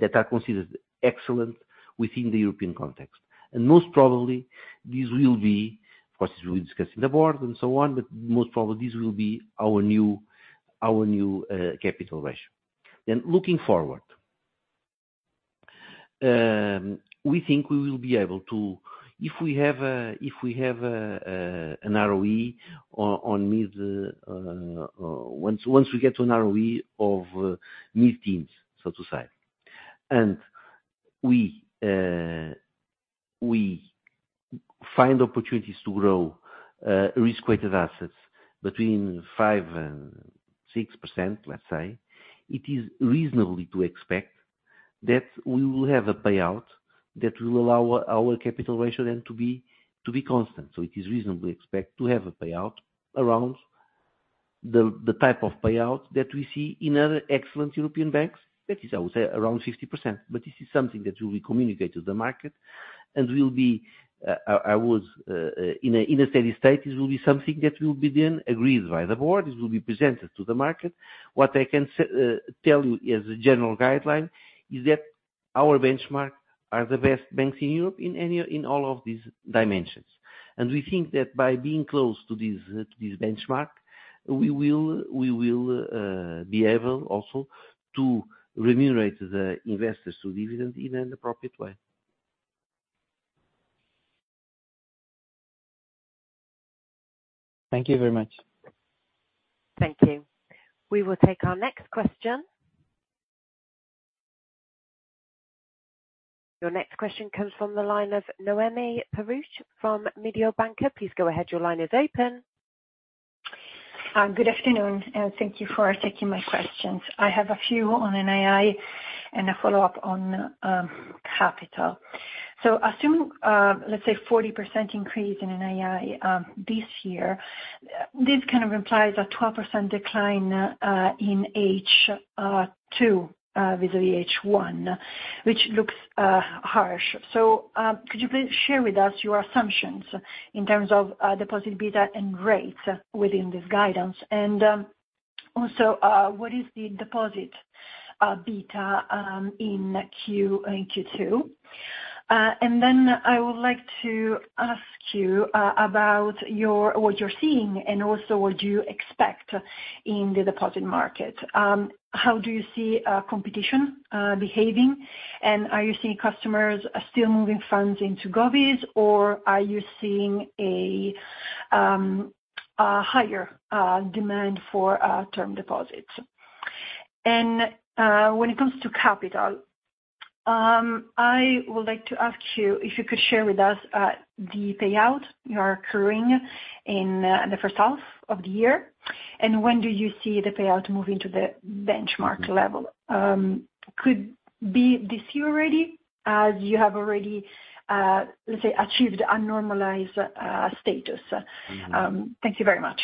that are considered excellent within the European context. Most probably, this will be, of course, we will discuss in the board and so on, but most probably this will be our new, our new capital ratio. Looking forward, we think we will be able to... If we have an ROE on mid, once we get to an ROE of mid-teens, so to say, and we find opportunities to grow risk-weighted assets between 5% and 6%, let's say, it is reasonably to expect that we will have a payout that will allow our, our capital ratio then to be, to be constant. It is reasonably expect to have a payout around the, the type of payout that we see in other excellent European banks. That is, I would say, around 50%, but this is something that we will communicate to the market, and will be, I, I would, in a, in a steady state, this will be something that will be then agreed by the board. This will be presented to the market. What I can say, tell you as a general guideline, is that our benchmark are the best banks in Europe, in any, in all of these dimensions. We think that by being close to this, this benchmark, we will, we will, be able also to remunerate the investors through dividend in an appropriate way. Thank you very much. Thank you. We will take our next question. Your next question comes from the line of Noemi Peruch from Mediobanca. Please go ahead. Your line is open. Good afternoon, and thank you for taking my questions. I have a few on NII and a follow-up on capital. So assume, let's say 40% increase in NII this year. This kind of implies a 12% decline in H2 vis-à-vis H1, which looks harsh. So, could you please share with us your assumptions in terms of deposit beta and rates within this guidance? Also, what is the deposit beta in Q2? And then I would like to ask you about what you're seeing and also what you expect in the deposit market. How do you see competition behaving? And are you seeing customers still moving funds into govies, or are you seeing a higher demand for term deposits? When it comes to capital, I would like to ask you if you could share with us, the payout you are accruing in, the first half of the year, and when do you see the payout moving to the benchmark level? Could be this year already, as you have already, let's say, achieved a normalized, status? Thank you very much.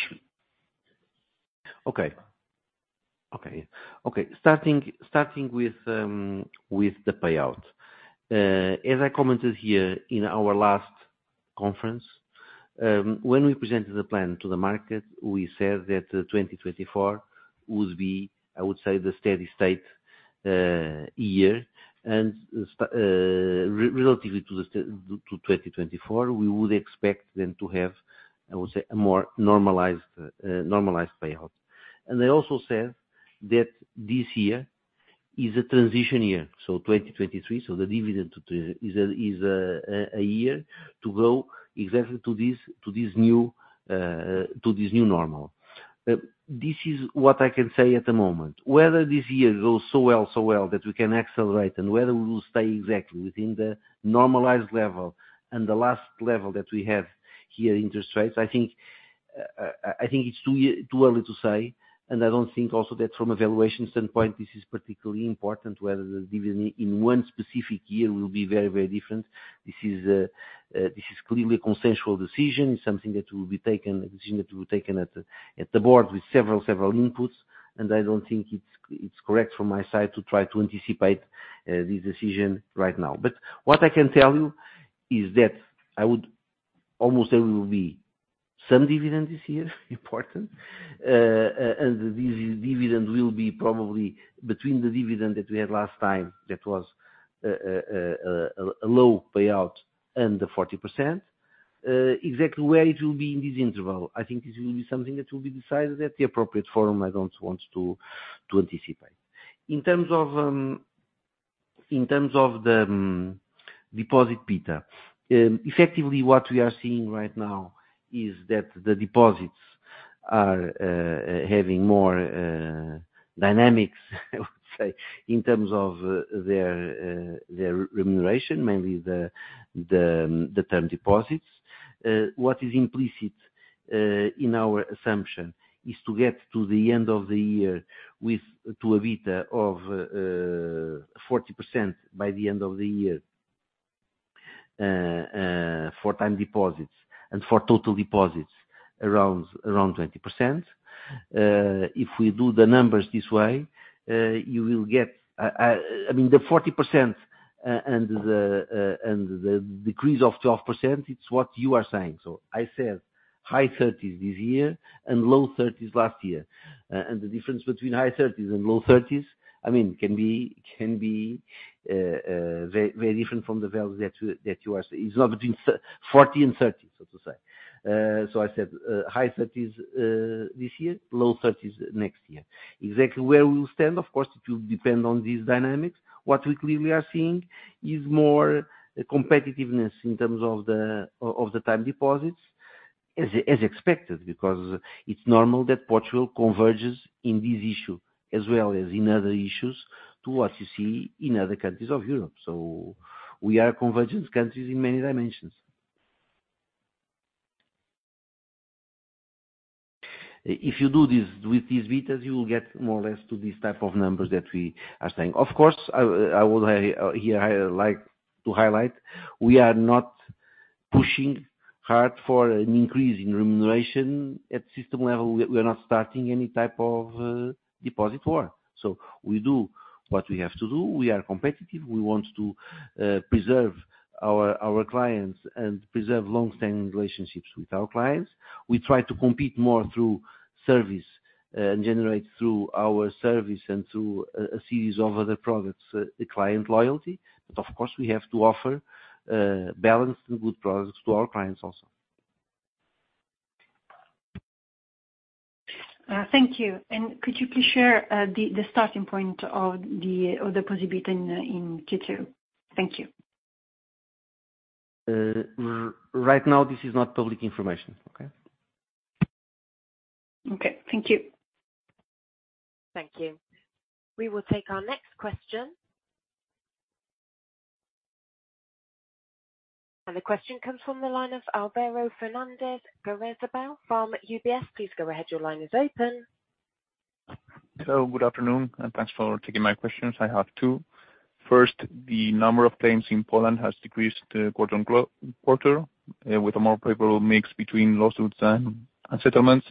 Okay. Okay, okay, starting, starting with the payout. As I commented here in our last conference, when we presented the plan to the market, we said that 2024 would be, I would say, the steady state year, and relatively to 2024, we would expect then to have, I would say, a more normalized normalized payout. I also said that this year is a transition year, so 2023, so the dividend is a, is a, a year to go exactly to this, to this new normal. This is what I can say at the moment. Whether this year goes so well, so well that we can accelerate, and whether we will stay exactly within the normalized level and the last level that we have here, interest rates, I think, I think it's too early to say. I don't think also that from a valuation standpoint, this is particularly important, whether the dividend in one specific year will be very, very different. This is clearly a consensual decision. It's something that will be taken, a decision that will be taken at the, at the board with several, several inputs, and I don't think it's, it's correct from my side to try to anticipate this decision right now. What I can tell you is that I would almost say there will be some dividend this year, important. This dividend will be probably between the dividend that we had last time, that was a low payout and the 40%, exactly where it will be in this interval, I think this will be something that will be decided at the appropriate forum. I don't want to anticipate. In terms of, in terms of the deposit beta, effectively, what we are seeing right now is that the deposits are having more dynamics, I would say, in terms of their remuneration, mainly the term deposits. What is implicit in our assumption is to get to the end of the year with, to a beta of 40% by the end of the year, for time deposits and for total deposits, around 20%. If we do the numbers this way, you will get, I mean, the 40%, and the decrease of 12%, it's what you are saying. I said high 30s this year and low 30s last year. The difference between high 30s and low 30s, I mean, can be, can be very, very different from the values that you, that you are saying. It's not between 40 and 30, so to say. I said high 30s this year, low 30s next year. Exactly where we stand, of course, it will depend on these dynamics. What we clearly are seeing is more competitiveness in terms of the time deposits, as expected, because it's normal that Portugal converges in this issue as well as in other issues to what you see in other countries of Europe. We are a convergence countries in many dimensions. If you do this, with these betas, you will get more or less to these type of numbers that we are saying. Of course, I would like, here, I like to highlight, we are not pushing hard for an increase in remuneration at system level. We are not starting any type of deposit war. We do what we have to do. We are competitive. We want to preserve our clients and preserve long-standing relationships with our clients. We try to compete more through service, and generate through our service and through a series of other products, the client loyalty. Of course, we have to offer, balanced and good products to our clients also. Thank you. Could you please share the starting point of the deposit beta in Q2? Thank you. Right now, this is not public information, okay? Okay, thank you. Thank you. We will take our next question. The question comes from the line of Álvaro Fernández-Garayzábal from UBS. Please go ahead, your line is open. Hello, good afternoon, and thanks for taking my questions. I have two. First, the number of claims in Poland has decreased, quarter on quarter, with a more favorable mix between lawsuits and settlements.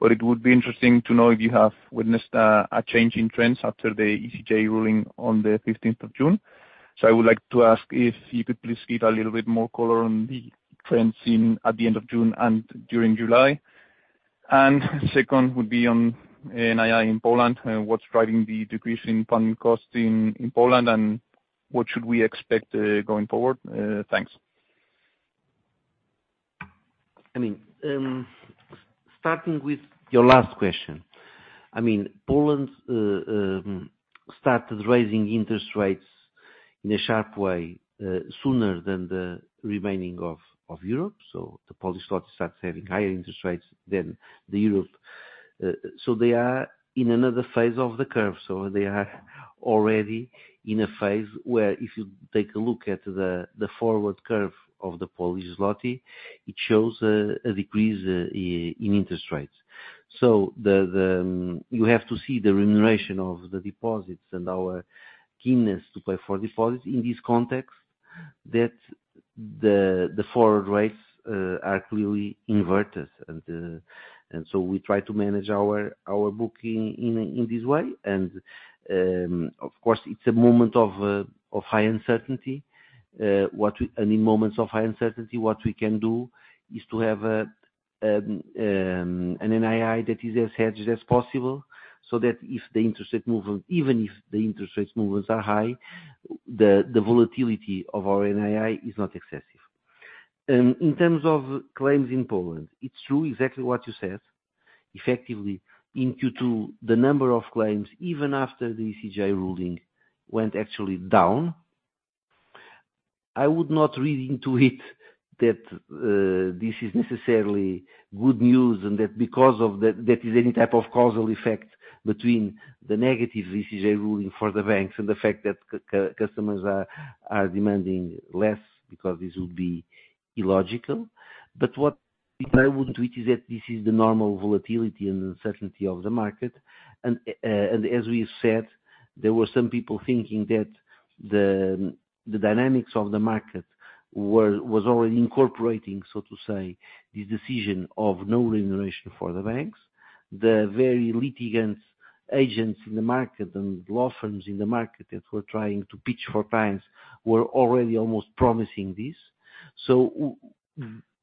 But it would be interesting to know if you have witnessed a change in trends after the ECJ ruling on the 15th of June. I would like to ask if you could please give a little bit more color on the trends at the end of June and during July? Second would be on NII in Poland, what's driving the decrease in funding costs in Poland, and what should we expect going forward? Thanks. I mean, starting with your last question, I mean, Poland started raising interest rates in a sharp way sooner than the remaining of Europe. The Polish start having higher interest rates than Europe. They are in another phase of the curve. They are already in a phase where if you take a look at the forward curve of the Polish zloty, it shows a decrease in interest rates. You have to see the remuneration of the deposits and our keenness to pay for deposits in this context, that the forward rates are clearly inverted. We try to manage our booking in this way. Of course, it's a moment of high uncertainty. What we- and in moments of high uncertainty, what we can do is to have an NII that is as hedged as possible, so that if the interest rate movement, even if the interest rates movements are high, the volatility of our NII is not excessive. In terms of claims in Poland, it's true exactly what you said. Effectively, in Q2, the number of claims, even after the ECJ ruling, went actually down. I would not read into it that this is necessarily good news, and that because of that, that is any type of causal effect between the negative ECJ ruling for the banks and the fact that customers are demanding less, because this would be illogical. What, what I would do it, is that this is the normal volatility and uncertainty of the market. As we said, there were some people thinking that the dynamics of the market was already incorporating, so to say, this decision of no remuneration for the banks. The very litigants, agents in the market and law firms in the market that were trying to pitch for clients, were already almost promising this.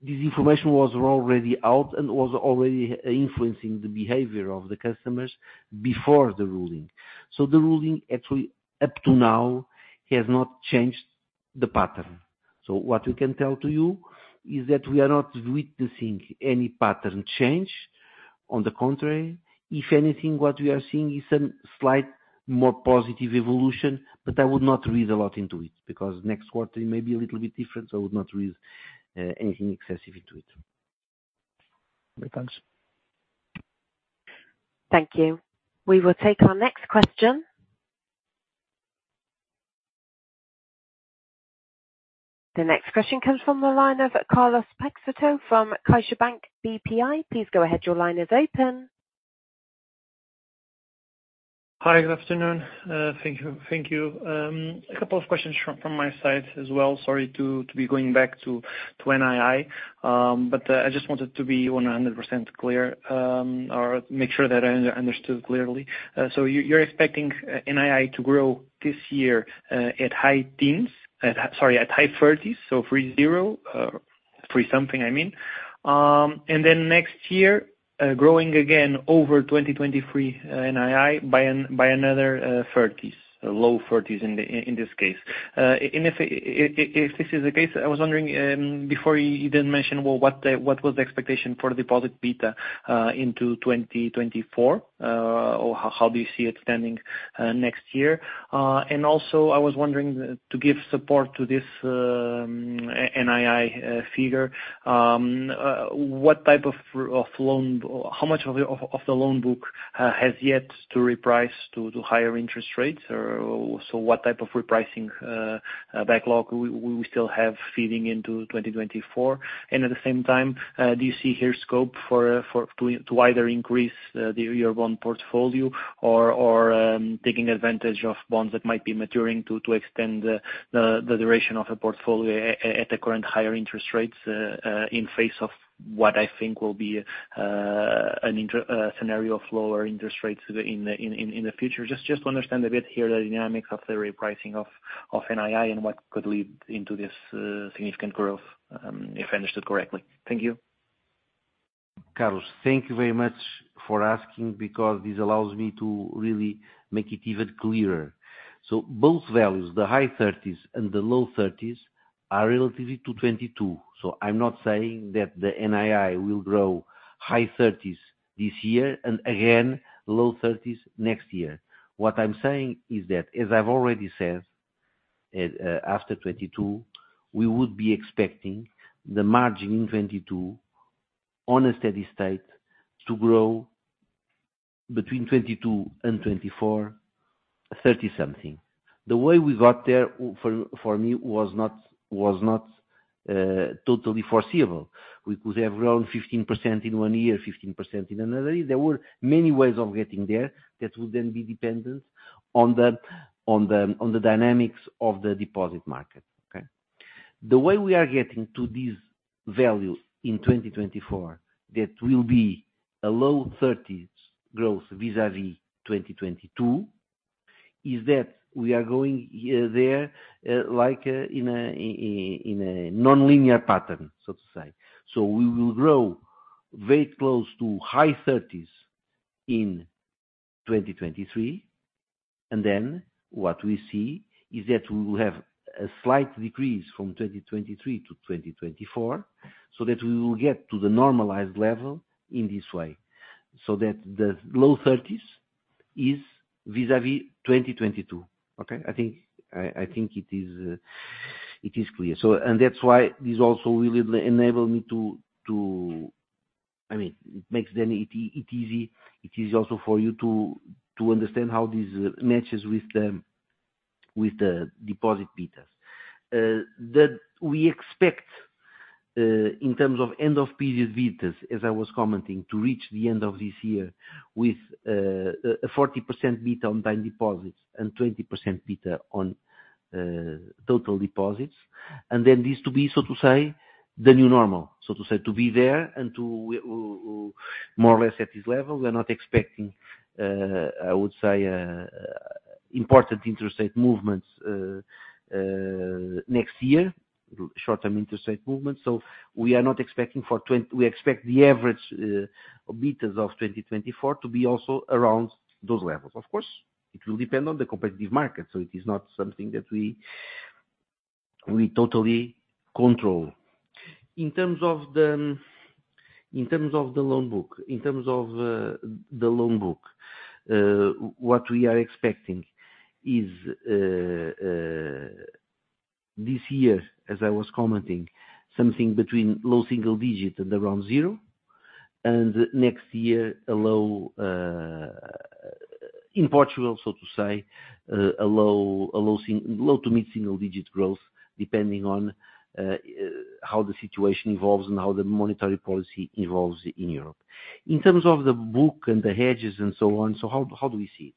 This information was already out and was already influencing the behavior of the customers before the ruling. The ruling, actually, up to now, has not changed the pattern. What we can tell to you is that we are not witnessing any pattern change. On the contrary, if anything, what we are seeing is a slight, more positive evolution, but I would not read a lot into it, because next quarter may be a little bit different, so I would not read anything excessive into it. Okay, thanks. Thank you. We will take our next question. The next question comes from the line of Carlos Peixoto from CaixaBank BPI. Please go ahead, your line is open. Hi, good afternoon. Thank you, thank you. A couple of questions from my side as well. Sorry to be going back to NII, but I just wanted to be 100% clear, or make sure that I understood clearly. You're expecting NII to grow this year, at high teens, at... Sorry, at high 30's, so 30, 3 something, I mean. Then next year, growing again over 2023, NII by another, thirties, low forties in this case. If this is the case, I was wondering, before you, you didn't mention, well, what the, what was the expectation for deposit beta into 2024? Or how do you see it standing next year? I was wondering, to give support to this NII figure, what type of loan, or how much of the loan book, has yet to reprice to higher interest rates? What type of repricing backlog we still have feeding into 2024? Do you see here scope for either increase the year one portfolio or taking advantage of bonds that might be maturing to extend the duration of a portfolio at the current higher interest rates, in face of what I think will be a scenario of lower interest rates in the future? Just, just to understand a bit here, the dynamics of the repricing of, of NII and what could lead into this, significant growth, if I understood correctly. Thank you. Carlos, thank you very much for asking, because this allows me to really make it even clearer. Both values, the high 30s% and the low 30s%, are relatively to 2022. I'm not saying that the NII will grow high 30s% this year, and again, low 30s% next year. What I'm saying is that, as I've already said, after 2022, we would be expecting the margin in 2022, on a steady state, to grow between 22% and 24%, 30-something%. The way we got there, for me, was not totally foreseeable. We could have grown 15% in one year, 15% in another year. There were many ways of getting there that would then be dependent on the dynamics of the deposit market, okay? The way we are getting to these values in 2024, that will be a low 30s growth vis-a-vis 2022, is that we are going there in a nonlinear pattern, so to say. We will grow very close to high 30s in 2023, and then what we see is that we will have a slight decrease from 2023 to 2024, so that we will get to the normalized level in this way, so that the low 30s is vis-a-vis 2022, okay. I think it is clear. That's why this also will enable me, I mean, it makes then it easy, it is also for you to understand how this matches with the deposit betas. That we expect in terms of end-of-period betas, as I was commenting, to reach the end of this year with a 40% beta on time deposits and 20% beta on total deposits. This to be, so to say, the new normal, so to say, to be there and to more or less at this level, we are not expecting, I would say, important interest rate movements next year, short-term interest rate movements. We are not expecting for we expect the average betas of 2024 to be also around those levels. Of course, it will depend on the competitive market, so it is not something that we, we totally control. In terms of the loan book, in terms of the loan book, what we are expecting is this year, as I was commenting, something between low single digits and around zero. Next year, a low in Portugal, so to say, a low to mid single digit growth, depending on how the situation evolves and how the monetary policy evolves in Europe. In terms of the book and the hedges and so on, so how do we see it?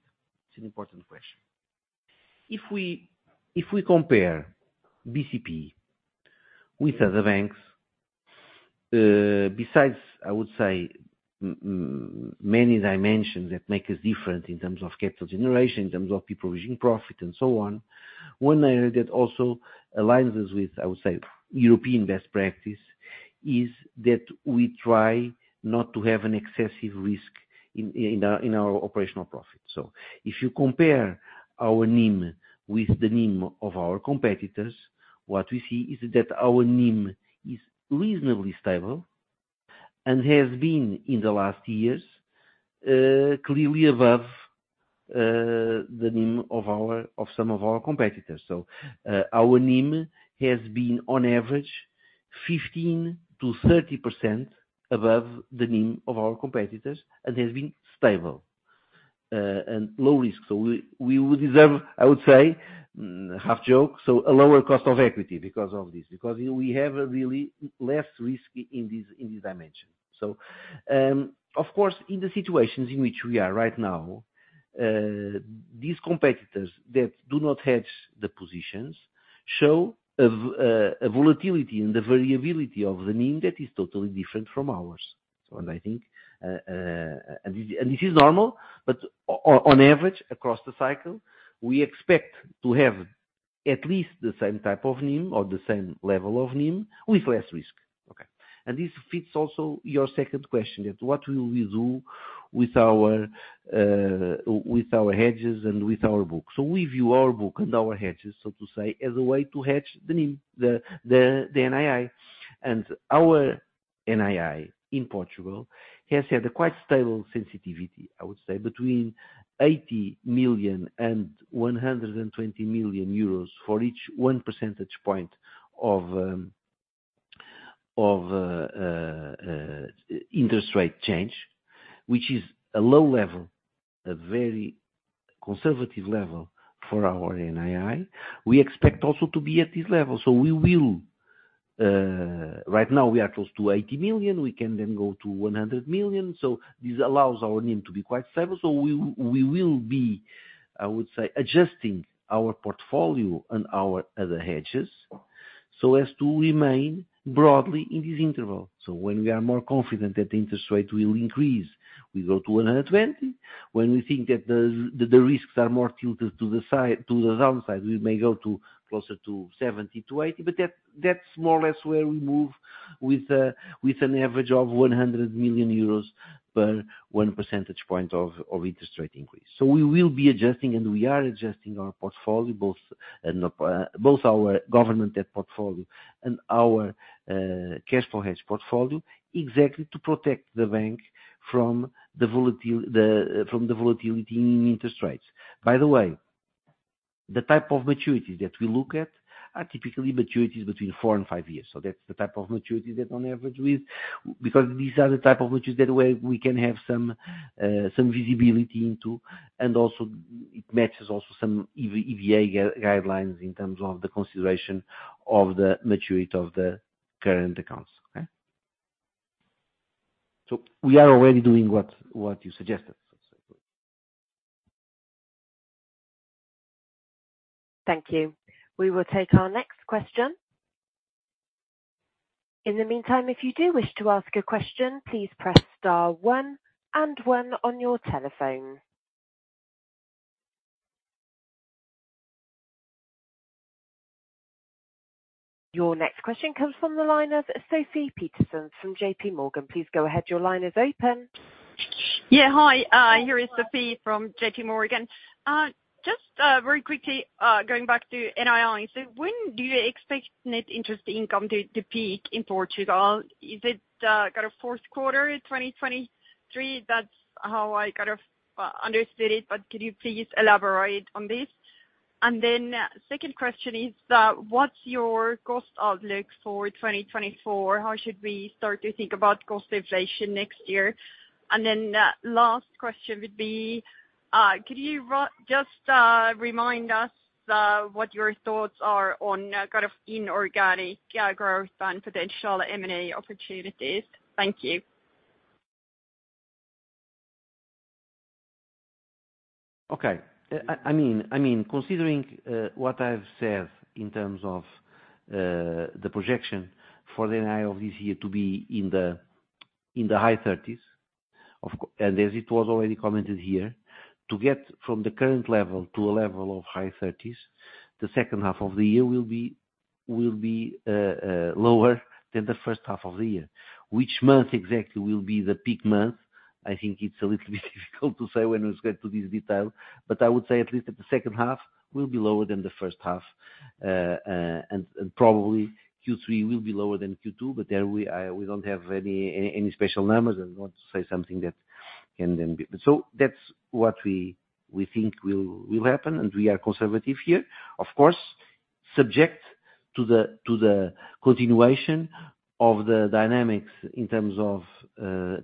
It's an important question. If we compare BCP with other banks, besides, I would say, many dimensions that make us different in terms of capital generation, in terms of people raising profit and so on. One area that also aligns us with, I would say, European best practice, is that we try not to have an excessive risk in, in our, in our operational profit. If you compare our NIM with the NIM of our competitors, what we see is that our NIM is reasonably stable, and has been, in the last years, clearly above the NIM of our, of some of our competitors. Our NIM has been, on average, 15%-30% above the NIM of our competitors, and has been stable, and low risk. We, we would deserve, I would say, half joke, so a lower cost of equity because of this, because we have a really less risk in this, in this dimension. Of course, in the situations in which we are right now, these competitors that do not hedge the positions show a volatility and the variability of the NIM that is totally different from ours. And I think, and this is normal, but on average, across the cycle, we expect to have at least the same type of NIM or the same level of NIM with less risk, okay? And this fits also your second question, that what will we do with our hedges and with our book? We view our book and our hedges, so to say, as a way to hedge the NIM, the, the, the NII. Our NII in Portugal has had a quite stable sensitivity, I would say, between 80 million and 120 million euros for each 1 percentage point of interest rate change, which is a low level, a very conservative level for our NII. We expect also to be at this level, we will, right now we are close to 80 million. We can then go to 100 million. This allows our NIM to be quite stable. We, we will be, I would say, adjusting our portfolio and our other hedges, so as to remain broadly in this interval. When we are more confident that the interest rate will increase, we go to 120 million. When we think that the, the risks are more tilted to the side, to the downside, we may go to closer to 70 to 80, but that, that's more or less where we move with a, with an average of 100 million euros per 1 percentage point of, of interest rate increase. We will be adjusting, and we are adjusting our portfolio, both, and, both our government, that portfolio and our, cash for hedge portfolio, exactly to protect the bank from the volatility in interest rates. The type of maturities that we look at are typically maturities between four and five years. That's the type of maturities that on average with, because these are the type of maturities that way we can have some, some visibility into, and also it matches also some EBA guidelines in terms of the consideration of the maturity of the current accounts. Okay? We are already doing what, what you suggested. Thank you. We will take our next question. In the meantime, if you do wish to ask a question, please press star 1 and 1 on your telephone. Your next question comes from the line of Sofie Peterzens from JPMorgan. Please go ahead. Your line is open. Yeah, hi, here is Sophie from JPMorgan. Just very quickly, going back to NII. When do you expect net interest income to, to peak in Portugal? Is it kind of Q4, 2023? That's how I kind of understood it, but could you please elaborate on this? Second question is, what's your cost outlook for 2024? How should we start to think about cost inflation next year? Last question would be, could you just remind us what your thoughts are on, kind of, inorganic growth and potential M&A opportunities? Thank you. Okay, I mean, I mean, considering what I've said in terms of the projection for the NII of this year to be in the high 30s, and as it was already commented here, to get from the current level to a level of high 30s, the second half of the year will be lower than the first half of the year. Which month exactly will be the peak month, I think it's a little bit difficult to say when it's got to this detail, but I would say at least that the second half will be lower than the first half, and probably Q3 will be lower than Q2. But there we don't have any special numbers, and we want to say something that can then be.. That's what we, we think will, will happen, and we are conservative here. Of course, subject to the, to the continuation of the dynamics in terms of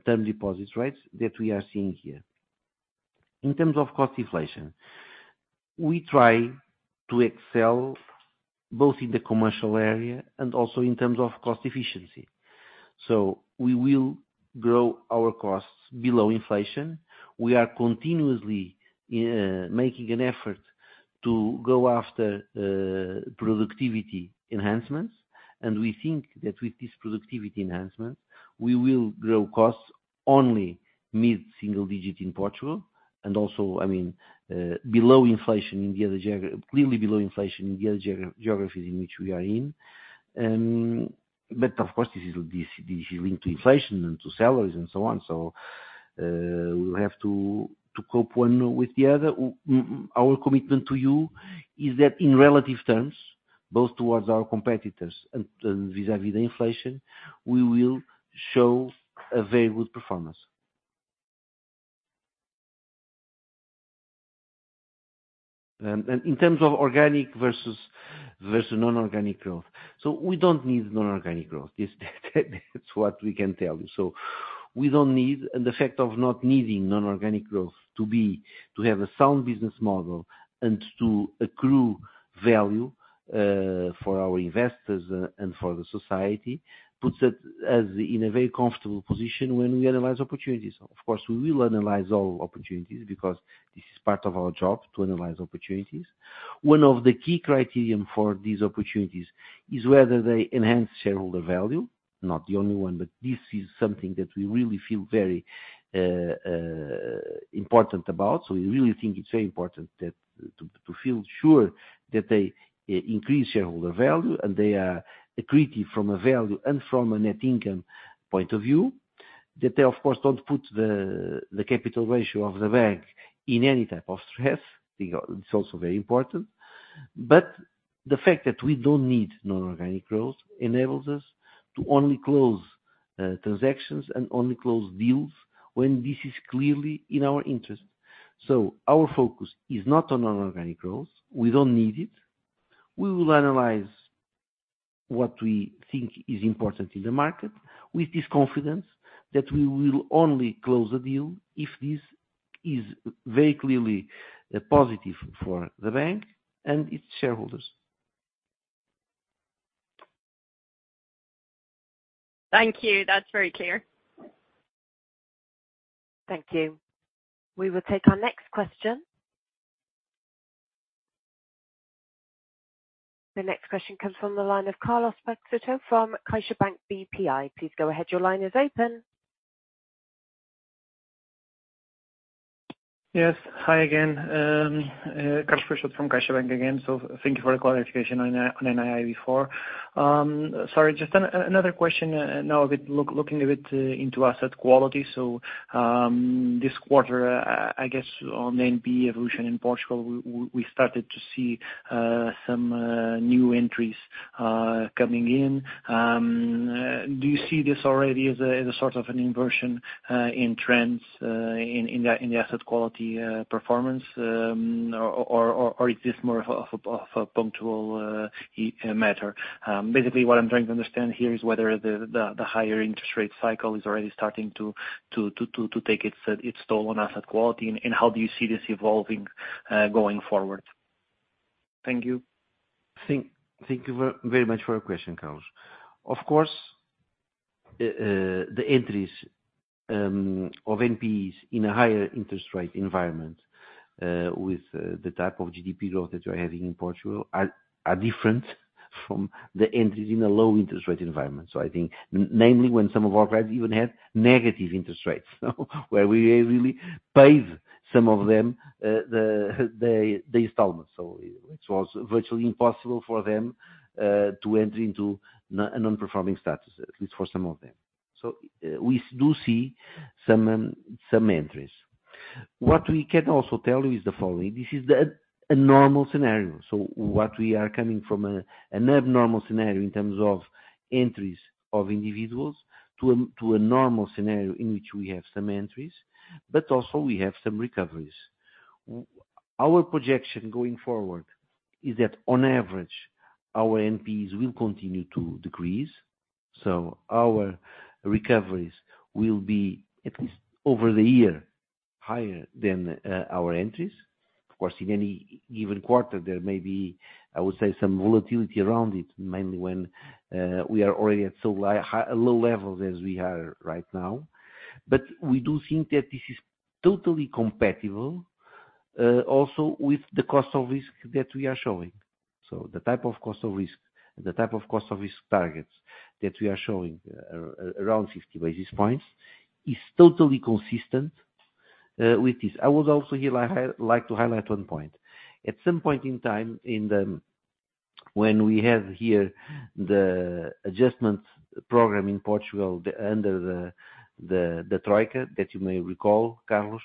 term deposits rates that we are seeing here. In terms of cost inflation, we try to excel both in the commercial area and also in terms of cost efficiency. We will grow our costs below inflation. We are continuously making an effort to go after productivity enhancements, and we think that with this productivity enhancement, we will grow costs only mid-single digit in Portugal, and also, I mean, below inflation in the other clearly below inflation in the other geographies in which we are in. Of course, this is, this, this is linked to inflation and to salaries and so on. We'll have to, to cope one with the other. Our commitment to you is that in relative terms, both towards our competitors and, and vis-à-vis the inflation, we will show a very good performance. In terms of organic versus, versus non-organic growth, we don't need non-organic growth. This, that's what we can tell you. We don't need, and the fact of not needing non-organic growth to be, to have a sound business model and to accrue value for our investors and for the society, puts us as in a very comfortable position when we analyze opportunities. Of course, we will analyze all opportunities because this is part of our job, to analyze opportunities. One of the key criterion for these opportunities is whether they enhance shareholder value, not the only one, but this is something that we really feel very important about. We really think it's very important that to, to feel sure that they, increase shareholder value, and they are accretive from a value and from a net income point of view. That they, of course, don't put the, the capital ratio of the bank in any type of stress, it's also very important. The fact that we don't need non-organic growth enables us to only close, transactions and only close deals when this is clearly in our interest. Our focus is not on non-organic growth. We don't need it. We will analyze what we think is important in the market with this confidence that we will only close the deal if this is very clearly, positive for the bank and its shareholders. Thank you. That's very clear. Thank you. We will take our next question. The next question comes from the line of Carlos Peixoto from CaixaBank BPI. Please go ahead. Your line is open. Yes, hi again. Carlos Peixoto from CaixaBank again. Thank you for the clarification on NII before. Sorry, just another question, now a bit looking a bit into asset quality. This quarter, I, I guess on NPE evolution in Portugal, we, we, we started to see some new entries coming in. Do you see this already as a sort of an inversion in trends in the asset quality performance? Or, or, or, or is this more of a punctual matter? Basically, what I'm trying to understand here is whether the higher interest rate cycle is already starting to take its toll on asset quality, and how do you see this evolving going forward? Thank you. Thank you very much for your question, Carlos. Of course, the entries of NPs in a higher interest rate environment, with the type of GDP growth that you are having in Portugal are different from the entries in a low interest rate environment. So I think, namely, when some of our clients even had negative interest rates, where we really paid some of them, the installments. So it was virtually impossible for them to enter into a non-performing status, at least for some of them. So, we do see some entries. What we can also tell you is the following: This is a normal scenario. What we are coming from, an abnormal scenario in terms of entries of individuals to a normal scenario in which we have some entries, but also we have some recoveries. Our projection going forward is that on average, our NPs will continue to decrease, so our recoveries will be, at least over the year, higher than our entries. Of course, in any even quarter, there may be, I would say, some volatility around it, mainly when we are already at so high, high, low levels as we are right now. But we do think that this is totally compatible also with the cost of risk that we are showing. The type of cost of risk, the type of cost of risk targets that we are showing, around 50 basis points, is totally consistent with this. I would also here like to highlight one point. At some point in time, when we had here the adjustment program in Portugal, under the Troika, that you may recall, Carlos,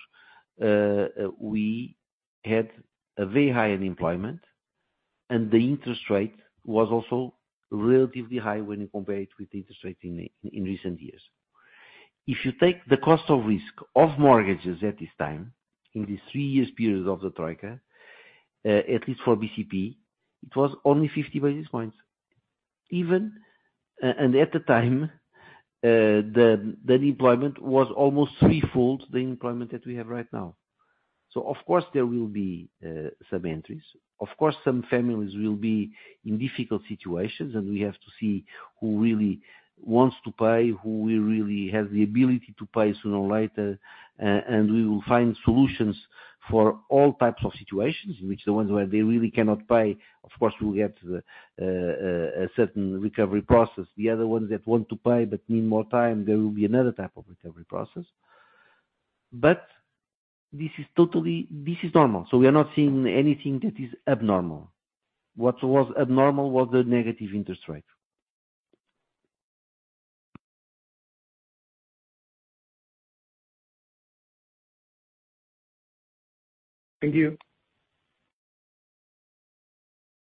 we had a very high unemployment, and the interest rate was also relatively high when you compare it with the interest rate in recent years. If you take the cost of risk of mortgages at this time, in this three years period of the Troika, at least for BCP, it was only 50 basis points. Even, and at the time, the unemployment was almost threefold the employment that we have right now. Of course, there will be some entries. Of course, some families will be in difficult situations, and we have to see who really wants to pay, who will really have the ability to pay sooner or later. We will find solutions for all types of situations, in which the ones where they really cannot pay, of course, we will have to, a certain recovery process. The other ones that want to pay but need more time, there will be another type of recovery process. This is totally. This is normal, so we are not seeing anything that is abnormal. What was abnormal was the negative interest rate. Thank you.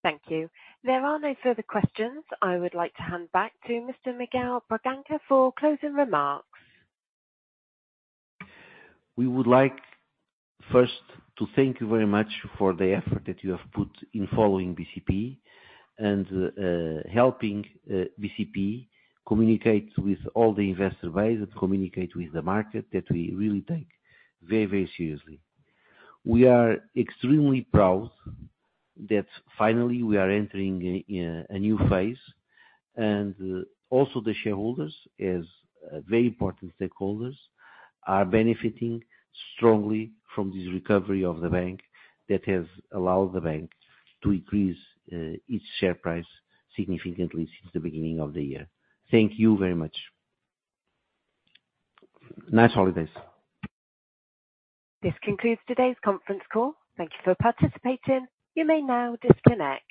Thank you. There are no further questions. I would like to hand back to Mr. Miguel Bragança for closing remarks. We would like, first, to thank you very much for the effort that you have put in following BCP and helping BCP communicate with all the investor base, and communicate with the market that we really take very, very seriously. We are extremely proud that finally we are entering a new phase, and also the shareholders, as very important stakeholders, are benefiting strongly from this recovery of the bank. That has allowed the bank to increase its share price significantly since the beginning of the year. Thank you very much. Nice holidays. This concludes today's conference call. Thank you for participating. You may now disconnect.